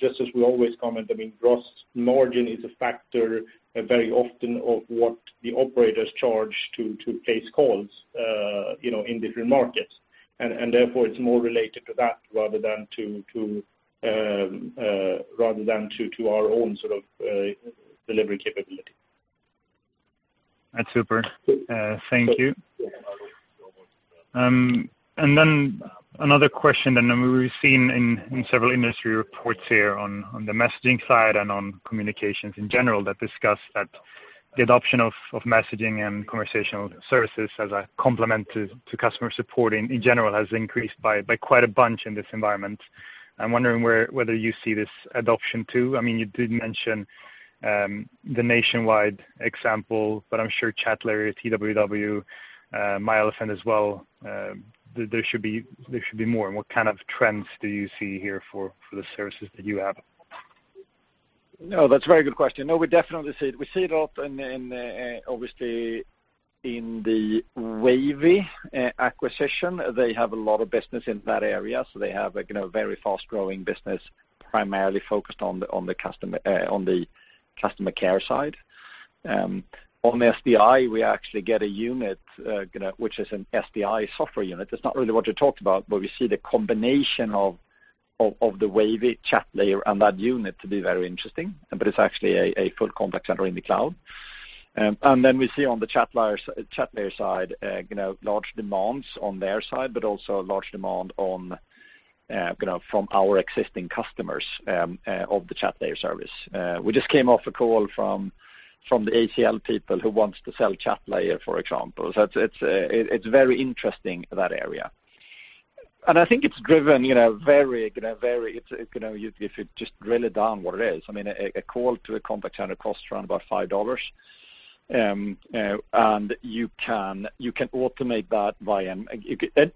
Just as we always comment, gross margin is a factor very often of what the operators charge to place calls in different markets. Therefore, it's more related to that rather than to our own sort of delivery capability. That's super. Thank you. Another question, what we've seen in several industry reports here on the messaging side and on communications in general, that discuss that the adoption of messaging and conversational services as a complement to customer support in general has increased by quite a bunch in this environment. I'm wondering whether you see this adoption too. You did mention the Nationwide example, I'm sure Chatlayer, TWW, myElefant as well, there should be more. What kind of trends do you see here for the services that you have? No, that's a very good question. We definitely see it. We see it a lot, obviously, in the Wavy acquisition. They have a lot of business in that area. They have a very fast-growing business, primarily focused on the customer care side. On SDI, we actually get a unit, which is an SAP Digital Interconnect. It's not really what you talked about. We see the combination of the Wavy Chatlayer and that unit to be very interesting. It's actually a full contact center in the cloud. We see on the Chatlayer side, large demands on their side, also a large demand from our existing customers of the Chatlayer service. We just came off a call from the ACL people who want to sell Chatlayer, for example. It's very interesting, that area. I think it's driven, if you just drill it down what it is, a call to a contact center costs around about SEK 5. You can automate that,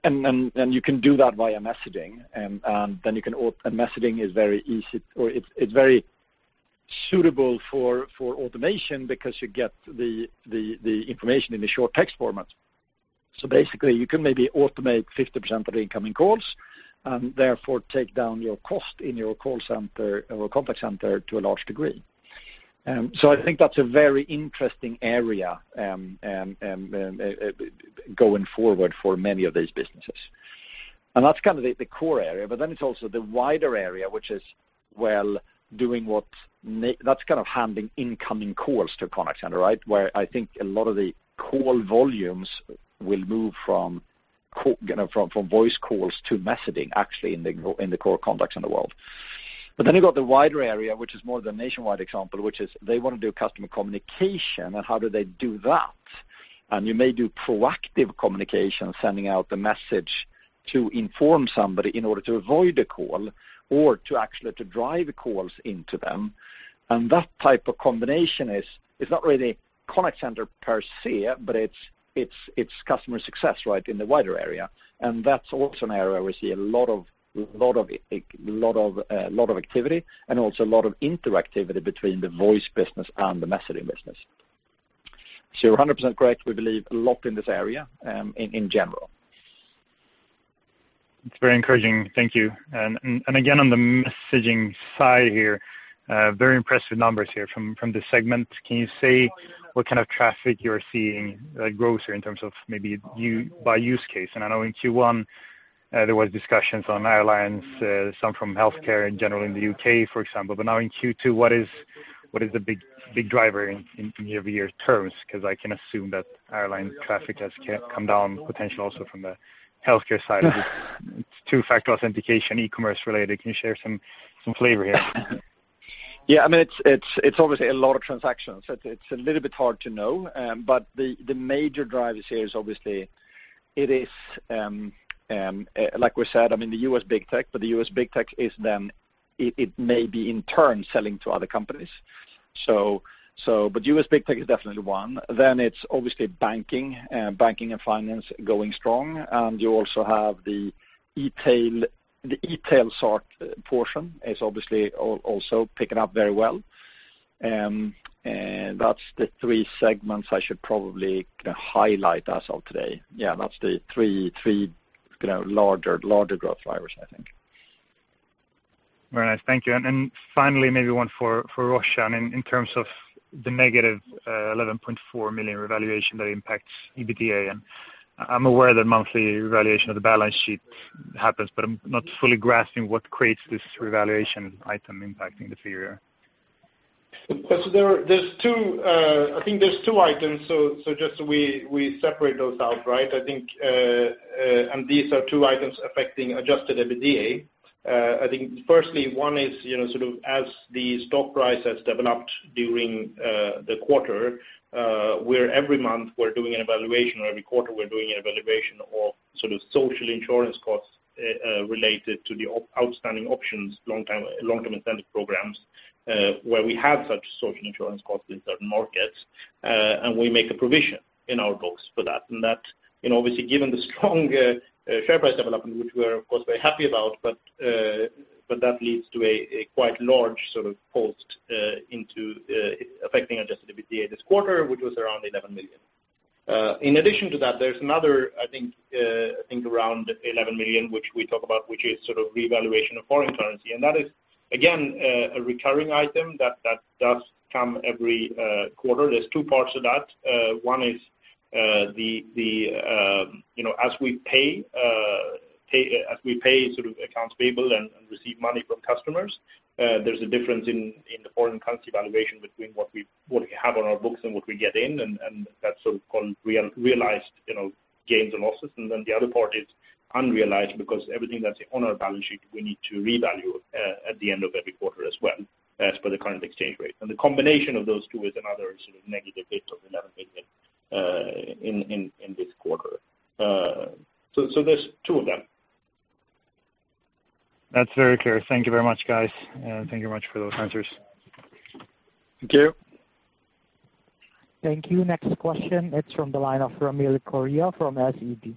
and you can do that via messaging, and messaging is very easy, or it's very suitable for automation because you get the information in a short text format. Basically, you can maybe automate 50% of the incoming calls, and therefore take down your cost in your call center or contact center to a large degree. I think that's a very interesting area, going forward for many of these businesses. That's kind of the core area, but then it's also the wider area, which is doing what, That's kind of handling incoming calls to a contact center, right? Where I think a lot of the call volumes will move from voice calls to messaging, actually, in the core contacts in the world. You've got the wider area, which is more of the Nationwide example, which is they want to do customer communication, and how do they do that? You may do proactive communication, sending out the message to inform somebody in order to avoid a call or to actually to drive calls into them. That type of combination is not really contact center per se, but it's customer success, right? In the wider area. That's also an area where we see a lot of activity, and also a lot of interactivity between the voice business and the messaging business. You're 100% correct. We believe a lot in this area, in general. It's very encouraging. Thank you. Again, on the messaging side here, very impressive numbers here from this segment. Can you say what kind of traffic you're seeing, like growth, or in terms of maybe by use case? I know in Q1, there was discussions on airlines, some from healthcare in general in the U.K., for example. Now in Q2, what is the big driver in year-over-year terms? Because I can assume that airline traffic has come down, potentially also from the healthcare side of it. It's two-factor authentication, e-commerce related. Can you share some flavor here? Yeah, it's obviously a lot of transactions. It's a little bit hard to know. The major drivers here is obviously, like we said, the U.S. big tech, but the U.S. big tech, it may be in turn selling to other companies. U.S. big tech is definitely one. It's obviously banking. Banking and finance going strong. You also have the e-tail sort portion, is obviously also picking up very well. That's the three segments I should probably highlight as of today. Yeah, that's the three larger growth drivers, I think. Very nice. Thank you. Finally, maybe one for Roshan. In terms of the negative 11.4 million revaluation that impacts EBITDA, and I'm aware that monthly revaluation of the balance sheet happens, but I'm not fully grasping what creates this revaluation item impacting the figure. I think there's two items, so just we separate those out, right? These are two items affecting adjusted EBITDA. I think firstly, one is, as the stock price has developed during the quarter, where every month we're doing an evaluation, or every quarter we're doing an evaluation of social insurance costs related to the outstanding options, long-term incentive programs, where we have such social insurance costs in certain markets, and we make a provision in our books for that. That, obviously given the strong share price development, which we're, of course, very happy about, but that leads to a quite large post into affecting adjusted EBITDA this quarter, which was around 11 million. In addition to that, there's another, I think around 11 million, which we talk about, which is reevaluation of foreign currency. That is, again, a recurring item that does come every quarter. There's two parts to that. One is, as we pay accounts payable and receive money from customers, there's a difference in the foreign currency valuation between what we have on our books and what we get in, and that's called realized gains and losses. The other part is unrealized because everything that's on our balance sheet, we need to revalue at the end of every quarter as well, as per the current exchange rate. The combination of those two is another negative bit of 11 million in this quarter. There's two of them. That's very clear. Thank you very much, guys. Thank you much for those answers. Thank you. Thank you. Next question. It's from the line of Ramil Koria from SEB.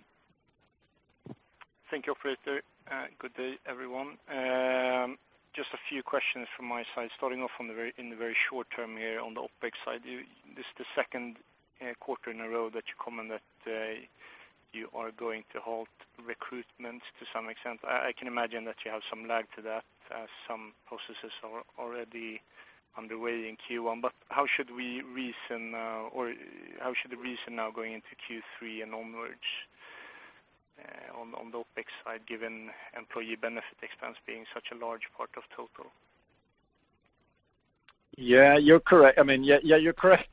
Thank you, operator. Good day, everyone. Just a few questions from my side. Starting off in the very short term here on the OpEx side. This is the second quarter in a row that you comment that you are going to halt recruitment to some extent. I can imagine that you have some lag to that as some processes are already underway in Q1. How should we reason now going into Q3 and onwards on the OpEx side, given employee benefit expense being such a large part of total? Yeah, you're correct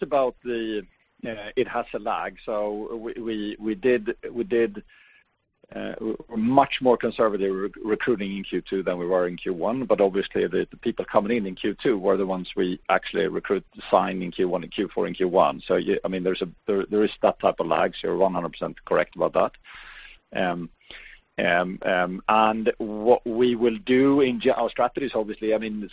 about it has a lag. We did much more conservative recruiting in Q2 than we were in Q1, but obviously the people coming in in Q2 were the ones we actually recruit signed in Q4 and Q1. There is that type of lag, so you're 100% correct about that. What we will do in our strategies, obviously,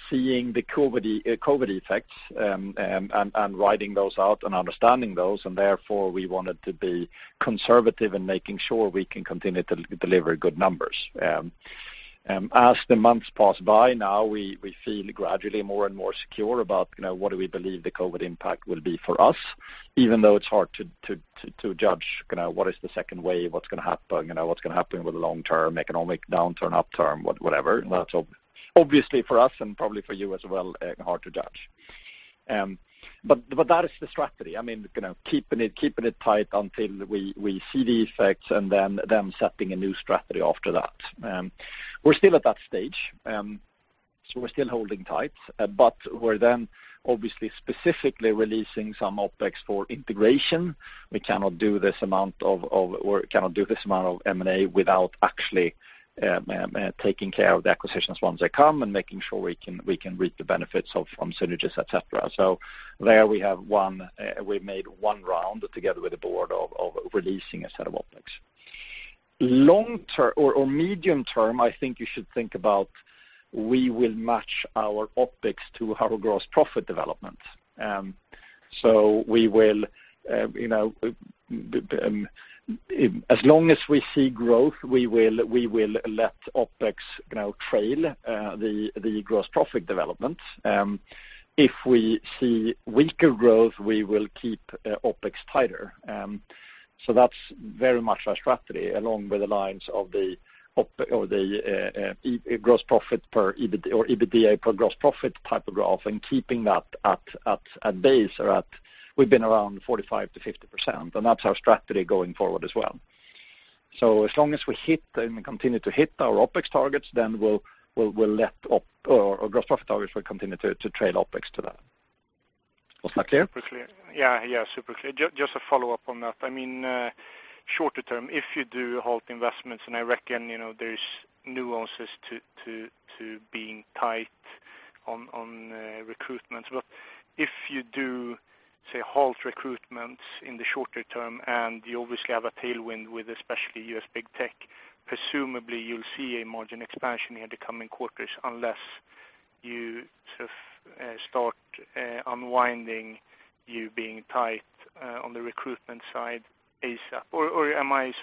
seeing the COVID effects, and riding those out and understanding those, and therefore, we wanted to be conservative and making sure we can continue to deliver good numbers. As the months pass by now, we feel gradually more and more secure about what do we believe the COVID impact will be for us, even though it's hard to judge what is the second wave, what's going to happen, what's going to happen with the long term, economic downturn, upturn, whatever. That's obviously for us, and probably for you as well, hard to judge. That is the strategy. Keeping it tight until we see the effects, and then setting a new strategy after that. We're still at that stage. We're still holding tight, but we're then obviously specifically releasing some OpEx for integration. We cannot do this amount of work, cannot do this amount of M&A without actually taking care of the acquisitions once they come and making sure we can reap the benefits from synergies, et cetera. There we've made one round together with the board of releasing a set of OpEx. Long term or medium term, I think you should think about, we will match our OpEx to our gross profit development. As long as we see growth, we will let OpEx trail the gross profit development. If we see weaker growth, we will keep OpEx tighter. That's very much our strategy along with the lines of the EBITDA per gross profit type of graph and keeping that at base or we've been around 45%-50%, and that's our strategy going forward as well. As long as we hit and continue to hit our OpEx targets, then we'll let our gross profit targets continue to trail OpEx to that. Was that clear? Super clear. Yeah. Just a follow-up on that. Shorter term, if you do halt investments, and I reckon there's nuances to being tight on recruitment. If you do, say, halt recruitment in the shorter term, and you obviously have a tailwind with especially U.S. big tech, presumably you'll see a margin expansion in the coming quarters unless you start unwinding you being tight on the recruitment side ASAP. Am I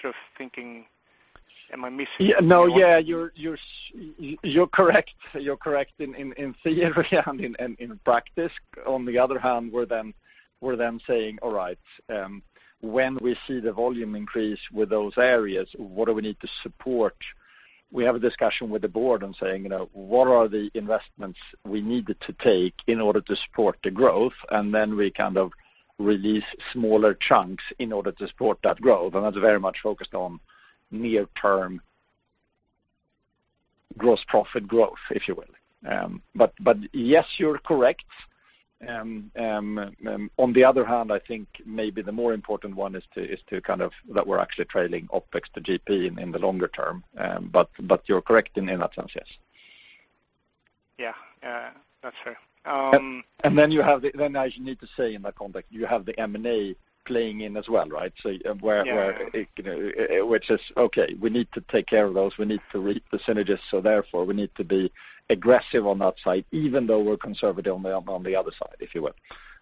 missing something? No. Yeah, you're correct in theory and in practice. On the other hand, we're then saying, "All right. When we see the volume increase with those areas, what do we need to support?" We have a discussion with the board and saying, "What are the investments we needed to take in order to support the growth?" Then we kind of release smaller chunks in order to support that growth. That's very much focused on near-term gross profit growth, if you will. Yes, you're correct. On the other hand, I think maybe the more important one is that we're actually trailing OpEx to GP in the longer term. You're correct in that sense, yes. Yeah. That's fair. I need to say in that context, you have the M&A playing in as well, right? Yeah. Which is, okay, we need to take care of those. We need to reap the synergies, so therefore, we need to be aggressive on that side, even though we're conservative on the other side, if you will.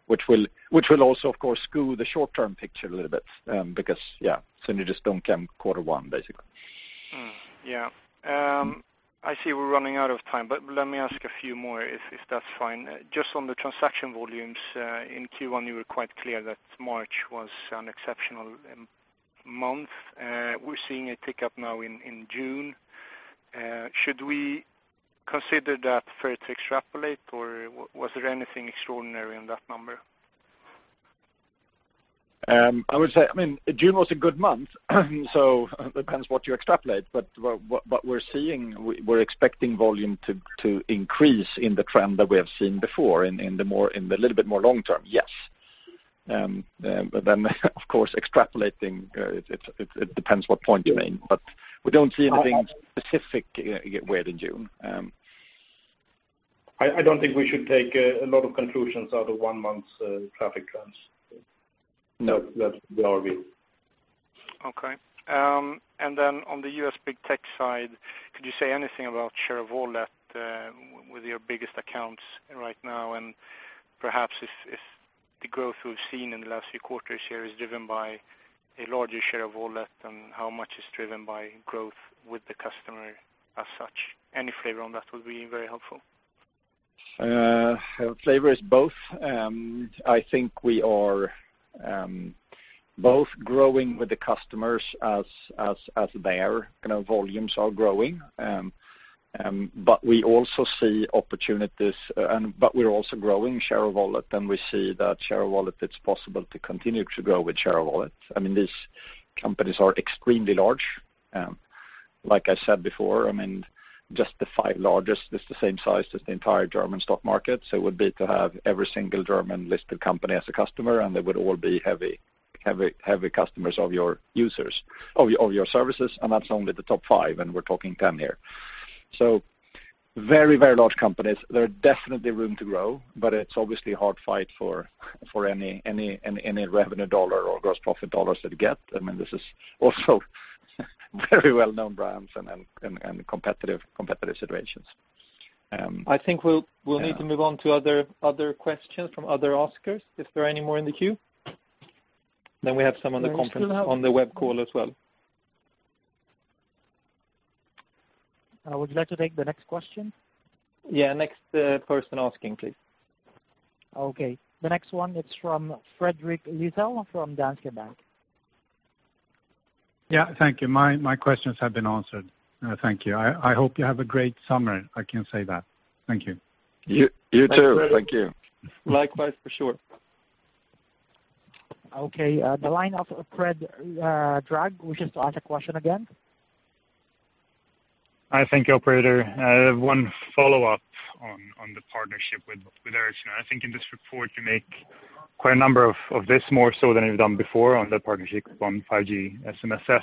Which will also, of course, skew the short-term picture a little bit, because synergies don't come quarter one, basically. I see we're running out of time, let me ask a few more, if that's fine. On the transaction volumes, in Q1, you were quite clear that March was an exceptional month. We're seeing a tick-up now in June. Should we consider that fair to extrapolate, or was there anything extraordinary in that number? I would say, June was a good month. It depends what you extrapolate. We're expecting volume to increase in the trend that we have seen before in the little bit more long term, yes. Of course, extrapolating, it depends what point you make. We don't see anything specific yet in June. I don't think we should take a lot of conclusions out of one month's traffic trends. No. That's their view. Okay. Then on the U.S. big tech side, could you say anything about share of wallet with your biggest accounts right now, and perhaps if the growth we've seen in the last few quarters here is driven by a larger share of wallet, and how much is driven by growth with the customer as such? Any flavor on that would be very helpful. Flavor is both. I think we are both growing with the customers as their volumes are growing. We're also growing share of wallet, and we see that it's possible to continue to grow with share of wallet. These companies are extremely large. Like I said before, just the five largest is the same size as the entire German stock market. It would be to have every single German-listed company as a customer, and they would all be heavy customers of your services, and that's only the top five, and we're talking 10 here. Very large companies. There are definitely room to grow, but it's obviously a hard fight for any revenue SEK or gross profit SEK to get. These are also very well-known brands and competitive situations. I think we'll need to move on to other questions from other askers, if there are any more in the queue. We have some on the web call as well. Would you like to take the next question? Yeah, next person asking, please. Okay. The next one, it's from Fredrik Rejle from Danske Bank. Yeah, thank you. My questions have been answered. Thank you. I hope you have a great summer. I can say that. Thank you. You too. Thank you. Likewise, for sure. Okay. The line of Fredrik Sävje wishes to ask a question again. Hi. Thank you, operator. I have one follow-up on the partnership with Ericsson. I think in this report you make quite a number of this, more so than you've done before on the partnership on 5G SMSF.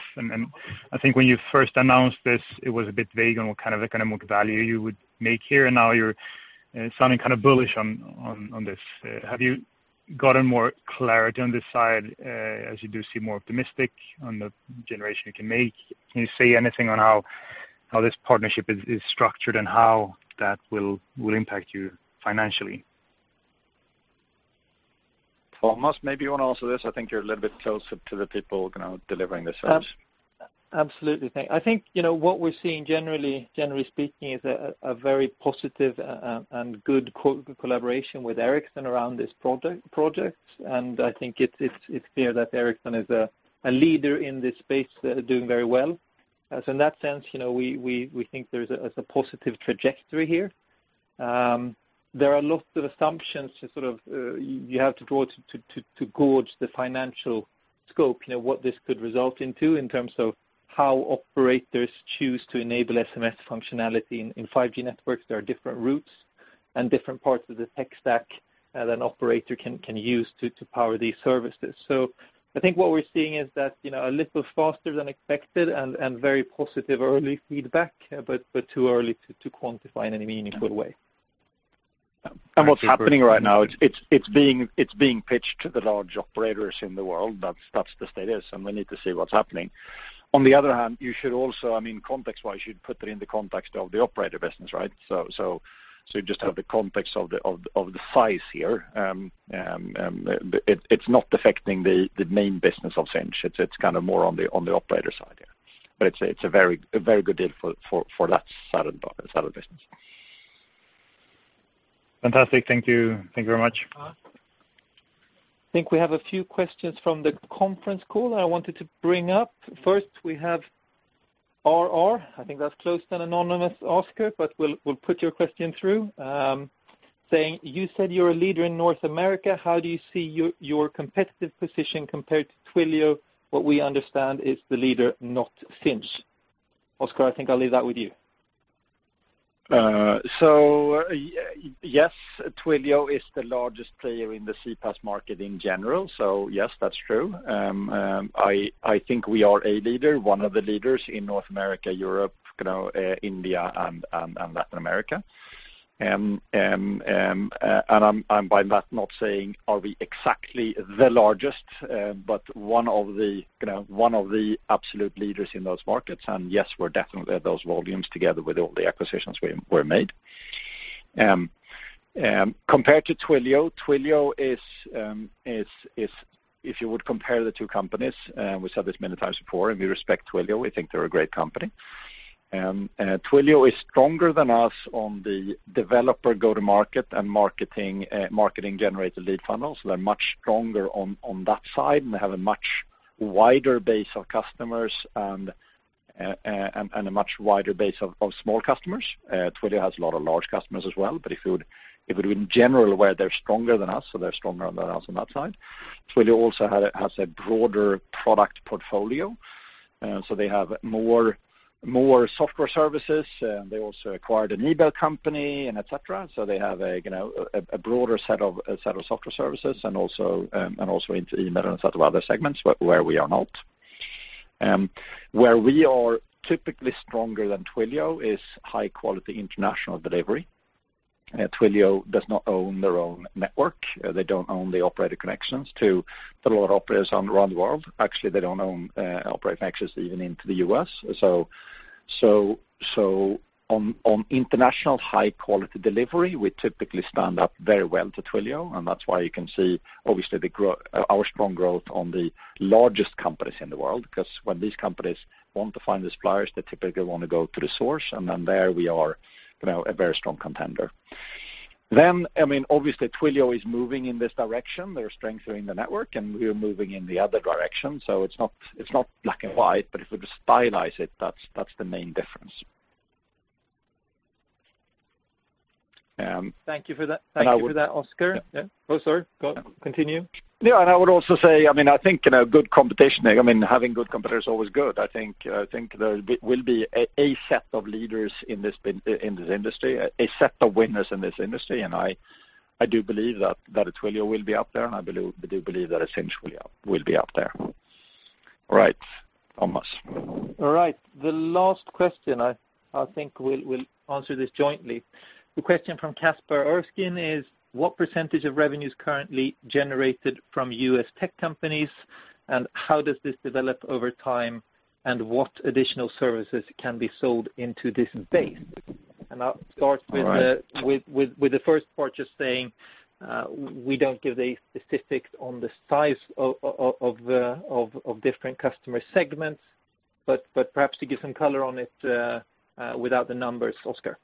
I think when you first announced this, it was a bit vague on what kind of value you would make here, and now you're sounding bullish on this. Have you gotten more clarity on this side as you do seem more optimistic on the generation you can make? Can you say anything on how this partnership is structured and how that will impact you financially? Thomas, maybe you want to answer this. I think you're a little bit closer to the people delivering the service. Absolutely. I think what we're seeing generally speaking is a very positive and good collaboration with Ericsson around this project. I think it's clear that Ericsson is a leader in this space, doing very well. In that sense, we think there's a positive trajectory here. There are lots of assumptions you have to go to gauge the financial scope, what this could result into in terms of how operators choose to enable SMS functionality in 5G networks. There are different routes and different parts of the tech stack that an operator can use to power these services. I think what we're seeing is that a little faster than expected and very positive early feedback, too early to quantify in any meaningful way. What's happening right now, it's being pitched to the large operators in the world. That's the status, and we need to see what's happening. On the other hand, you should also, context-wise, you'd put that in the context of the operator business, right? You just have the context of the size here. It's not affecting the main business of Sinch. It's more on the operator side. It's a very good deal for that side of the business. Fantastic. Thank you very much. I think we have a few questions from the conference call that I wanted to bring up. First, we have RR. I think that's close to an anonymous asker, but we'll put your question through. Saying, "You said you're a leader in North America. How do you see your competitive position compared to Twilio? What we understand is the leader, not Sinch." Oscar, I think I'll leave that with you. Yes, Twilio is the largest player in the CPaaS market in general. Yes, that's true. I think we are a leader, one of the leaders in North America, Europe, India, and Latin America. I'm by that not saying are we exactly the largest, but one of the absolute leaders in those markets. Yes, we're definitely at those volumes together with all the acquisitions were made. Compared to Twilio, if you would compare the two companies, we said this many times before, and we respect Twilio, we think they're a great company. Twilio is stronger than us on the developer go-to-market and marketing-generated lead funnels. They're much stronger on that side, and they have a much wider base of customers and a much wider base of small customers. Twilio has a lot of large customers as well, but if it were in general, where they're stronger than us, so they're stronger than us on that side. Twilio also has a broader product portfolio. They have more software services, and they also acquired an email company, et cetera. They have a broader set of software services and also into email and a set of other segments where we are not. Where we are typically stronger than Twilio is high-quality international delivery. Twilio does not own their own network. They don't own the operator connections to a lot of operators around the world. Actually, they don't own operator connections even into the U.S. On international high-quality delivery, we typically stand up very well to Twilio, and that's why you can see, obviously, our strong growth on the largest companies in the world, because when these companies want to find the suppliers, they typically want to go to the source, and then there we are a very strong contender. Obviously Twilio is moving in this direction. They're strengthening the network, and we are moving in the other direction. It's not black and white, but if we stylize it, that's the main difference. Thank you for that, Oscar. Yeah. Oh, sorry. Go, continue. Yeah, I would also say, I think having good competitors is always good. I think there will be a set of leaders in this industry, a set of winners in this industry. I do believe that Twilio will be up there, and I do believe that Sinch will be up there. All right, Thomas. All right. The last question, I think we'll answer this jointly. The question from Kasper Erskine is: "What % of revenue is currently generated from U.S. tech companies, and how does this develop over time, and what additional services can be sold into this space?" I'll start with the first part, just saying, we don't give the statistics on the size of different customer segments. Perhaps to give some color on it, without the numbers, Oscar.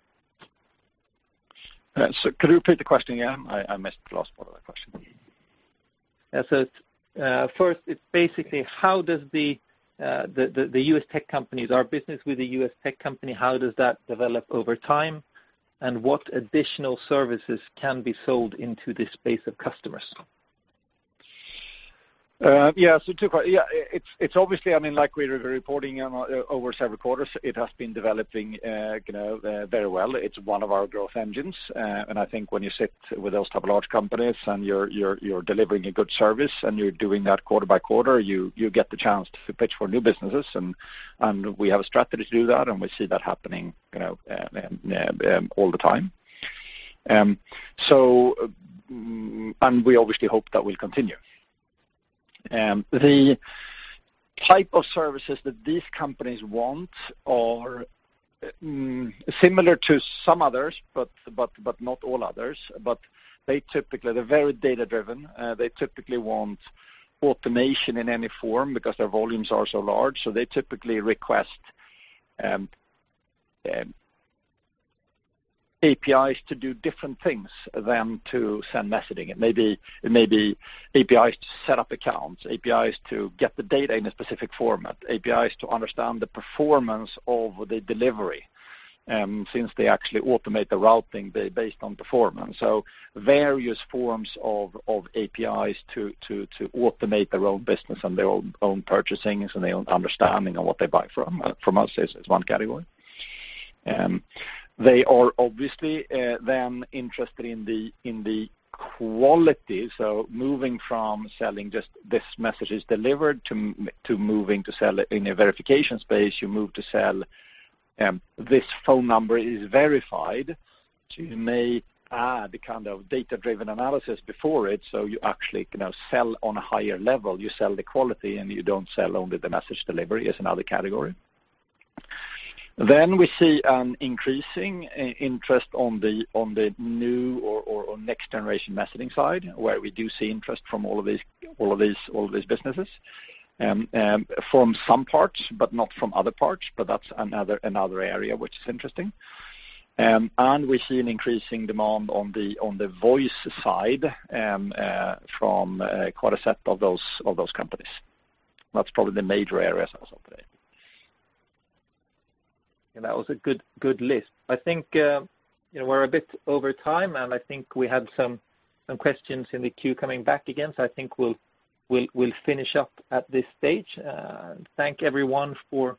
Could you repeat the question again? I missed the last part of that question. Yeah. First, it's basically how does the U.S. tech companies, our business with the U.S. tech company, how does that develop over time, and what additional services can be sold into this space of customers? Yeah. It's obviously, like we're reporting over several quarters, it has been developing very well. It's one of our growth engines. I think when you sit with those type of large companies and you're delivering a good service and you're doing that quarter by quarter, you get the chance to pitch for new businesses, and we have a strategy to do that, and we see that happening all the time. We obviously hope that will continue. The type of services that these companies want are similar to some others, but not all others. They're very data-driven. They typically want automation in any form because their volumes are so large. They typically request APIs to do different things than to send messaging. It may be APIs to set up accounts, APIs to get the data in a specific format, APIs to understand the performance of the delivery, since they actually automate the routing based on performance. Various forms of APIs to automate their own business and their own purchasing and their own understanding of what they buy from us is one category. They are obviously then interested in the quality. Moving from selling just this message is delivered, to moving to sell in a verification space, you move to sell this phone number is verified. You may add the kind of data-driven analysis before it, so you actually sell on a higher level. You sell the quality, and you don't sell only the message delivery is another category. We see an increasing interest on the new or next-generation messaging side, where we do see interest from all of these businesses, from some parts, but not from other parts. That's another area which is interesting. We see an increasing demand on the voice side from quite a set of those companies. That's probably the major areas also today. That was a good list. I think we're a bit over time, I think we had some questions in the queue coming back again. I think we'll finish up at this stage. I thank everyone for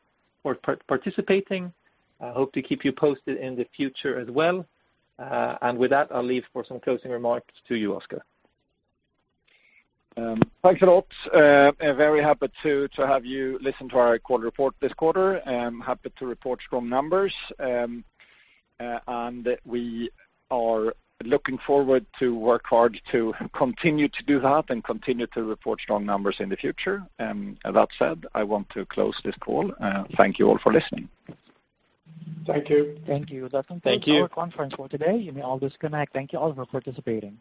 participating. I hope to keep you posted in the future as well. With that, I'll leave for some closing remarks to you, Oscar. Thanks a lot. Very happy to have you listen to our quarter report this quarter, and happy to report strong numbers. We are looking forward to work hard to continue to do that and continue to report strong numbers in the future. That said, I want to close this call. Thank you all for listening. Thank you. Thank you. Thank you. That concludes our conference for today. You may all disconnect. Thank you all for participating.